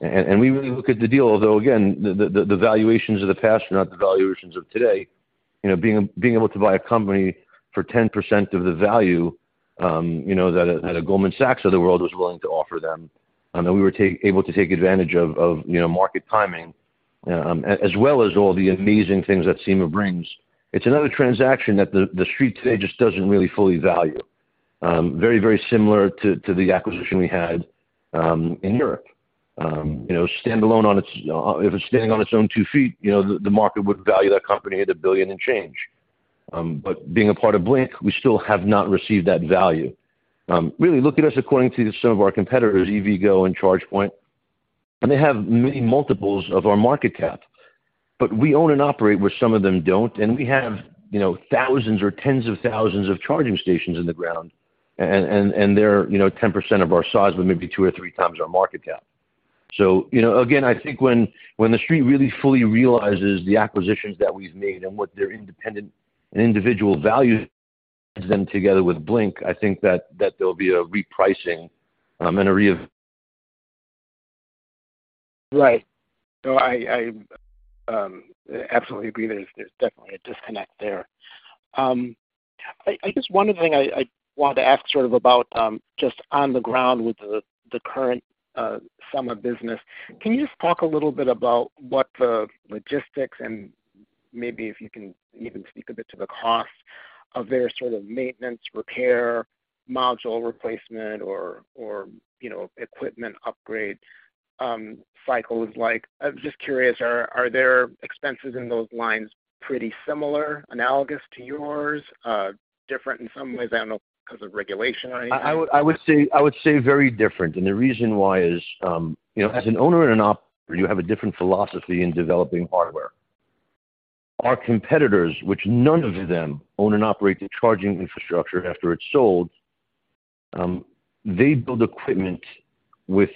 We really look at the deal, although again, the valuations of the past are not the valuations of today. You know, being able to buy a company for 10% of the value, you know, that a Goldman Sachs of the world was willing to offer them, and we were able to take advantage of, you know, market timing, as well as all the amazing things that Sema brings. It's another transaction that the Street today just doesn't really fully value. Very similar to the acquisition we had in Europe. You know, if it's standing on its own two feet, the market would value that company at $1 billion and change. But being a part of Blink, we still have not received that value. Really look at us according to some of our competitors, EVgo and ChargePoint, and they have many multiples of our market cap. We own and operate where some of them don't, and we have, you know, thousands or tens of thousands of charging stations in the ground and they're, you know, 10% of our size with maybe two or three times our market cap. So, you know, again, I think when the Street really fully realizes the acquisitions that we've made and what their independent and individual value adds them together with Blink, I think that there'll be a repricing, and a re- Right. No, I absolutely agree. There's definitely a disconnect there. I guess one other thing I wanted to ask sort of about, just on the ground with the current Sema business. Can you just talk a little bit about what the logistics and maybe if you can even speak a bit to the cost of their sort of maintenance, repair, module replacement or, you know, equipment upgrade cycle is like? I'm just curious, are there expenses in those lines pretty similar, analogous to yours? Different in some ways, I don't know, 'cause of regulation or anything? I would say very different. The reason why is, you know, as an owner and an operator, you have a different philosophy in developing hardware. Our competitors, which none of them own and operate the charging infrastructure after it's sold, they build equipment with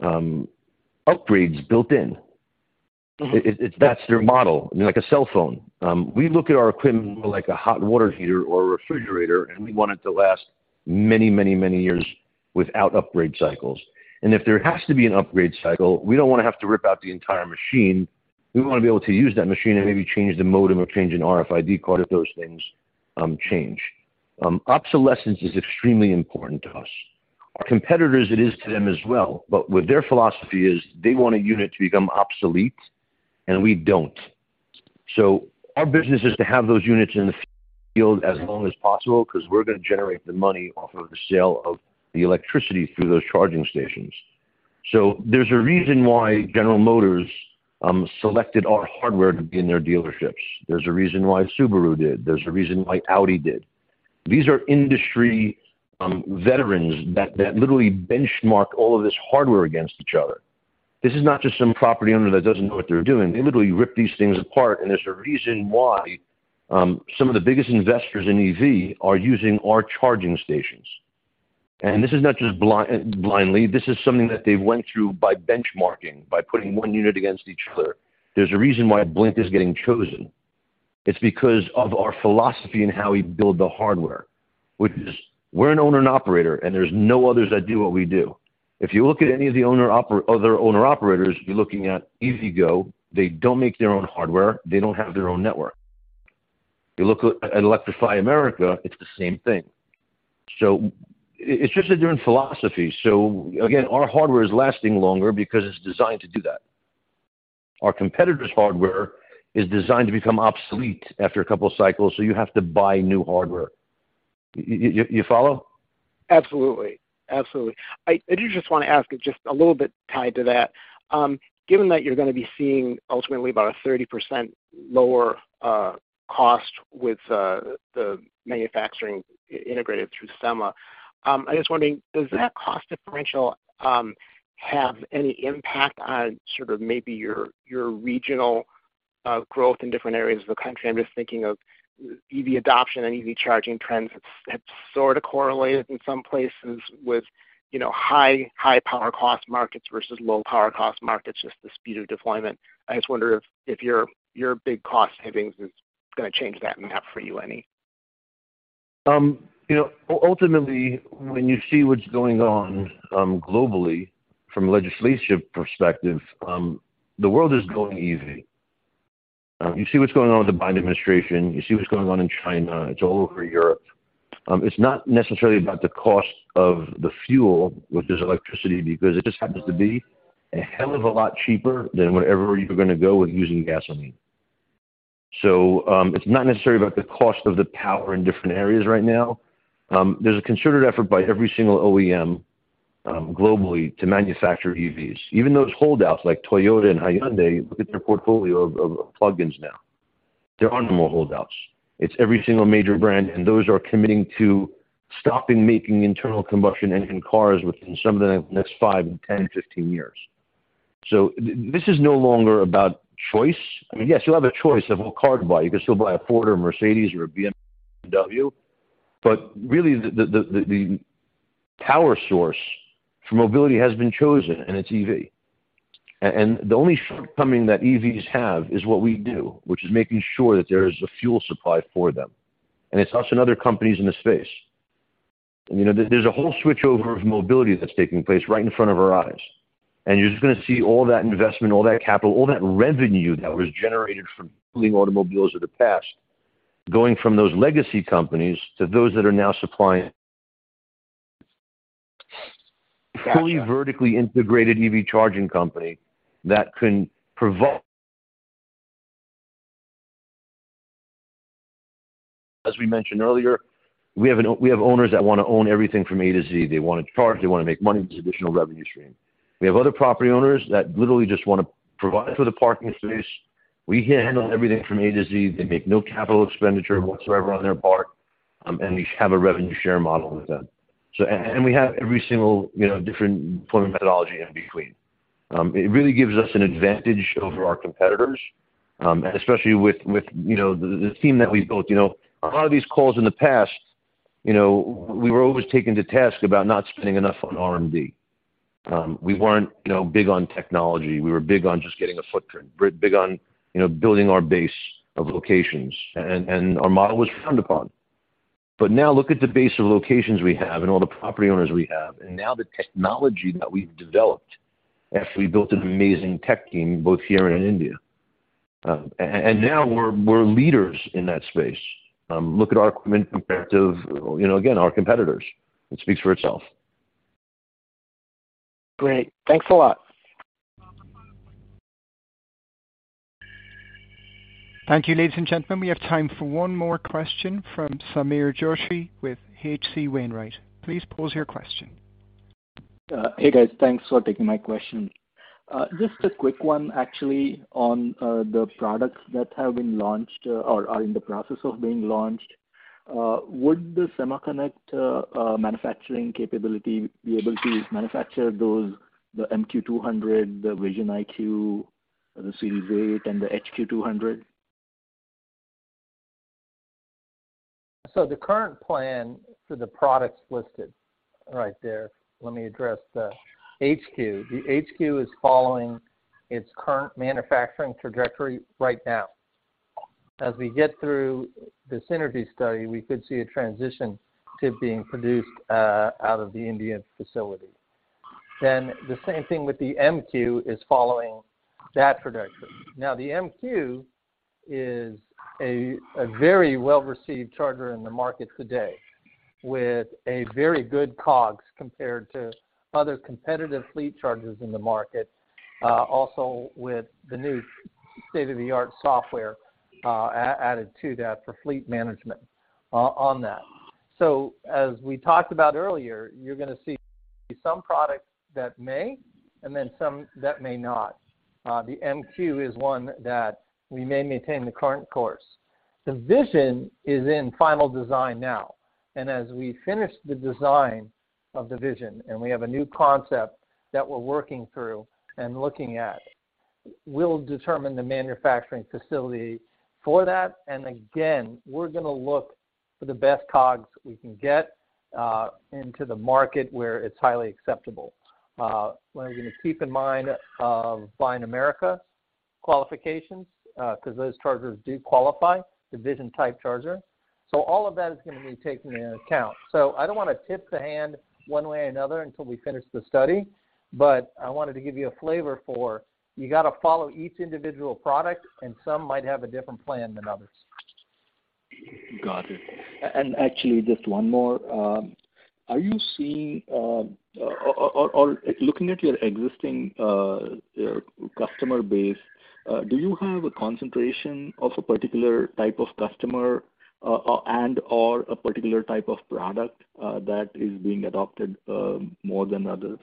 upgrades built in. Mm-hmm. That's their model, like a cell phone. We look at our equipment more like a hot water heater or a refrigerator, and we want it to last many years without upgrade cycles. If there has to be an upgrade cycle, we don't wanna have to rip out the entire machine. We wanna be able to use that machine and maybe change the modem or change an RFID card if those things change. Obsolescence is extremely important to us. Our competitors, it is to them as well, but what their philosophy is, they want a unit to become obsolete, and we don't. Our business is to have those units in the field as long as possible 'cause we're gonna generate the money off of the sale of the electricity through those charging stations. There's a reason why General Motors selected our hardware to be in their dealerships. There's a reason why Subaru did. There's a reason why Audi did. These are industry veterans that literally benchmarked all of this hardware against each other. This is not just some property owner that doesn't know what they're doing. They literally rip these things apart, and there's a reason why some of the biggest investors in EV are using our charging stations. This is not just blindly. This is something that they went through by benchmarking, by putting one unit against each other. There's a reason why Blink is getting chosen. It's because of our philosophy in how we build the hardware, which is we're an owner and operator, and there's no others that do what we do. If you look at any of the other owner-operators, you're looking at EVgo. They don't make their own hardware. They don't have their own network. You look at Electrify America, it's the same thing. It's just a different philosophy. Again, our hardware is lasting longer because it's designed to do that. Our competitors' hardware is designed to become obsolete after a couple cycles, so you have to buy new hardware. You follow? I did just wanna ask just a little bit tied to that. Given that you're gonna be seeing ultimately about a 30% lower cost with the manufacturing integrated through Sema, I'm just wondering, does that cost differential have any impact on sort of maybe your regional growth in different areas of the country? I'm just thinking of EV adoption and EV charging trends have sorta correlated in some places with, you know, high power cost markets versus low power cost markets, just the speed of deployment. I just wonder if your big cost savings is gonna change that map for you any. You know, ultimately, when you see what's going on globally from a legislative perspective, the world is going EV. You see what's going on with the Biden administration, you see what's going on in China, it's all over Europe. It's not necessarily about the cost of the fuel, which is electricity, because it just happens to be a hell of a lot cheaper than wherever you're gonna go with using gasoline. It's not necessarily about the cost of the power in different areas right now. There's a concerted effort by every single OEM globally to manufacture EVs. Even those holdouts like Toyota and Hyundai, look at their portfolio of plug-ins now. There are no more holdouts. It's every single major brand, and those are committing to stopping making internal combustion engine cars within some of the next 5, 10, 15 years. This is no longer about choice. I mean, yes, you have a choice of what car to buy. You can still buy a Ford or a Mercedes-Benz or a BMW, but really the power source for mobility has been chosen, and it's EV. The only shortcoming that EVs have is what we do, which is making sure that there is a fuel supply for them, and it's us and other companies in the space. You know, there's a whole switchover of mobility that's taking place right in front of our eyes, and you're just gonna see all that investment, all that capital, all that revenue that was generated from building automobiles of the past, going from those legacy companies to those that are now supplying fully vertically integrated EV charging company that can provide. As we mentioned earlier, we have owners that wanna own everything from A to Z. They wanna charge, they wanna make money with this additional revenue stream. We have other property owners that literally just wanna provide for the parking space. We can handle everything from A to Z. They make no capital expenditure whatsoever on their part, and we have a revenue share model with them. And we have every single, you know, different form of methodology in between. It really gives us an advantage over our competitors, and especially with you know the team that we've built. You know, a lot of these calls in the past, you know, we were always taken to task about not spending enough on R&D. We weren't you know big on technology. We were big on just getting a footprint, big on you know building our base of locations and our model was frowned upon. Now look at the base of locations we have and all the property owners we have, and now the technology that we've developed after we built an amazing tech team both here and in India. Now we're leaders in that space. Look at our equipment comparative you know again our competitors. It speaks for itself. Great. Thanks a lot. Thank you, ladies and gentlemen. We have time for one more question from Sameer Joshi with H.C. Wainwright. Please pose your question. Hey, guys. Thanks for taking my question. Just a quick one actually on the products that have been launched or are in the process of being launched. Would the SemaConnect manufacturing capability be able to manufacture those, the MQ200, the Vision IQ, the Series 8 and the HQ200? The current plan for the products listed right there, let me address the HQ. The HQ is following its current manufacturing trajectory right now. As we get through the synergy study, we could see a transition to being produced out of the Indian facility. The same thing with the MQ is following that trajectory. Now, the MQ is a very well-received charger in the market today, with a very good COGS compared to other competitive fleet chargers in the market, also with the new state-of-the-art software added to that for fleet management on that. As we talked about earlier, you're gonna see some products that may and then some that may not. The MQ is one that we may maintain the current course. The Vision is in final design now. As we finish the design of the Vision, and we have a new concept that we're working through and looking at, we'll determine the manufacturing facility for that. Again, we're gonna look for the best COGS we can get into the market where it's highly acceptable. We're gonna keep in mind Buy America qualifications, 'cause those chargers do qualify, the Vision type charger. All of that is gonna be taken into account. I don't wanna tip the hand one way or another until we finish the study, but I wanted to give you a flavor for you gotta follow each individual product and some might have a different plan than others. Got it. Actually just one more. Are you seeing or looking at your existing customer base, do you have a concentration of a particular type of customer and/or a particular type of product that is being adopted more than others?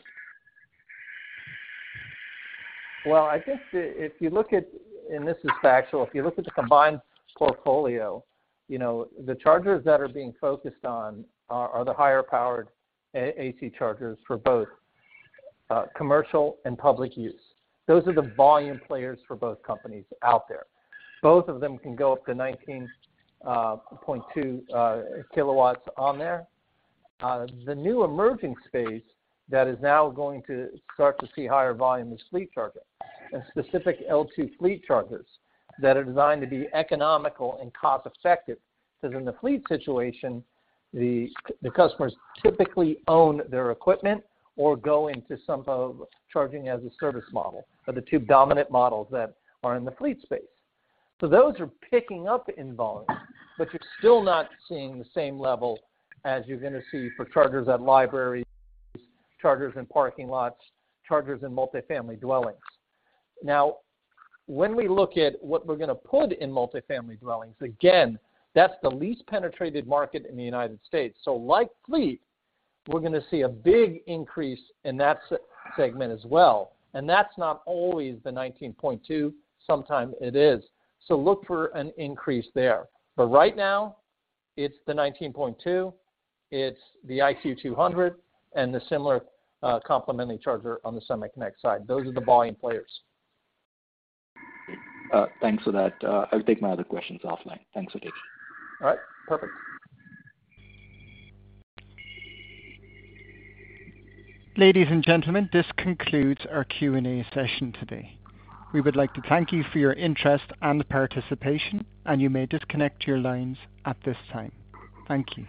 I think if you look at this is factual. If you look at the combined portfolio, you know, the chargers that are being focused on are the higher powered AC chargers for both commercial and public use. Those are the volume players for both companies out there. Both of them can go up to 19.2 kW on there. The new emerging space that is now going to start to see higher volume is fleet charging. Specific L2 fleet chargers that are designed to be economical and cost-effective. 'Cause in the fleet situation, the customers typically own their equipment or go into charging as a service model are the two dominant models that are in the fleet space. Those are picking up in volume, but you're still not seeing the same level as you're gonna see for chargers at libraries, chargers in parking lots, chargers in multifamily dwellings. Now, when we look at what we're gonna put in multifamily dwellings, again, that's the least penetrated market in the United States. Like fleet, we're gonna see a big increase in that segment as well. That's not always the 19.2, sometimes it is. Look for an increase there. Right now it's the 19.2, it's the IQ200, and the similar, complementary charger on the SemaConnect side. Those are the volume players. Thanks for that. I'll take my other questions offline. Thanks. All right. Perfect. Ladies and gentlemen, this concludes our Q&A session today. We would like to thank you for your interest and participation, and you may disconnect your lines at this time. Thank you.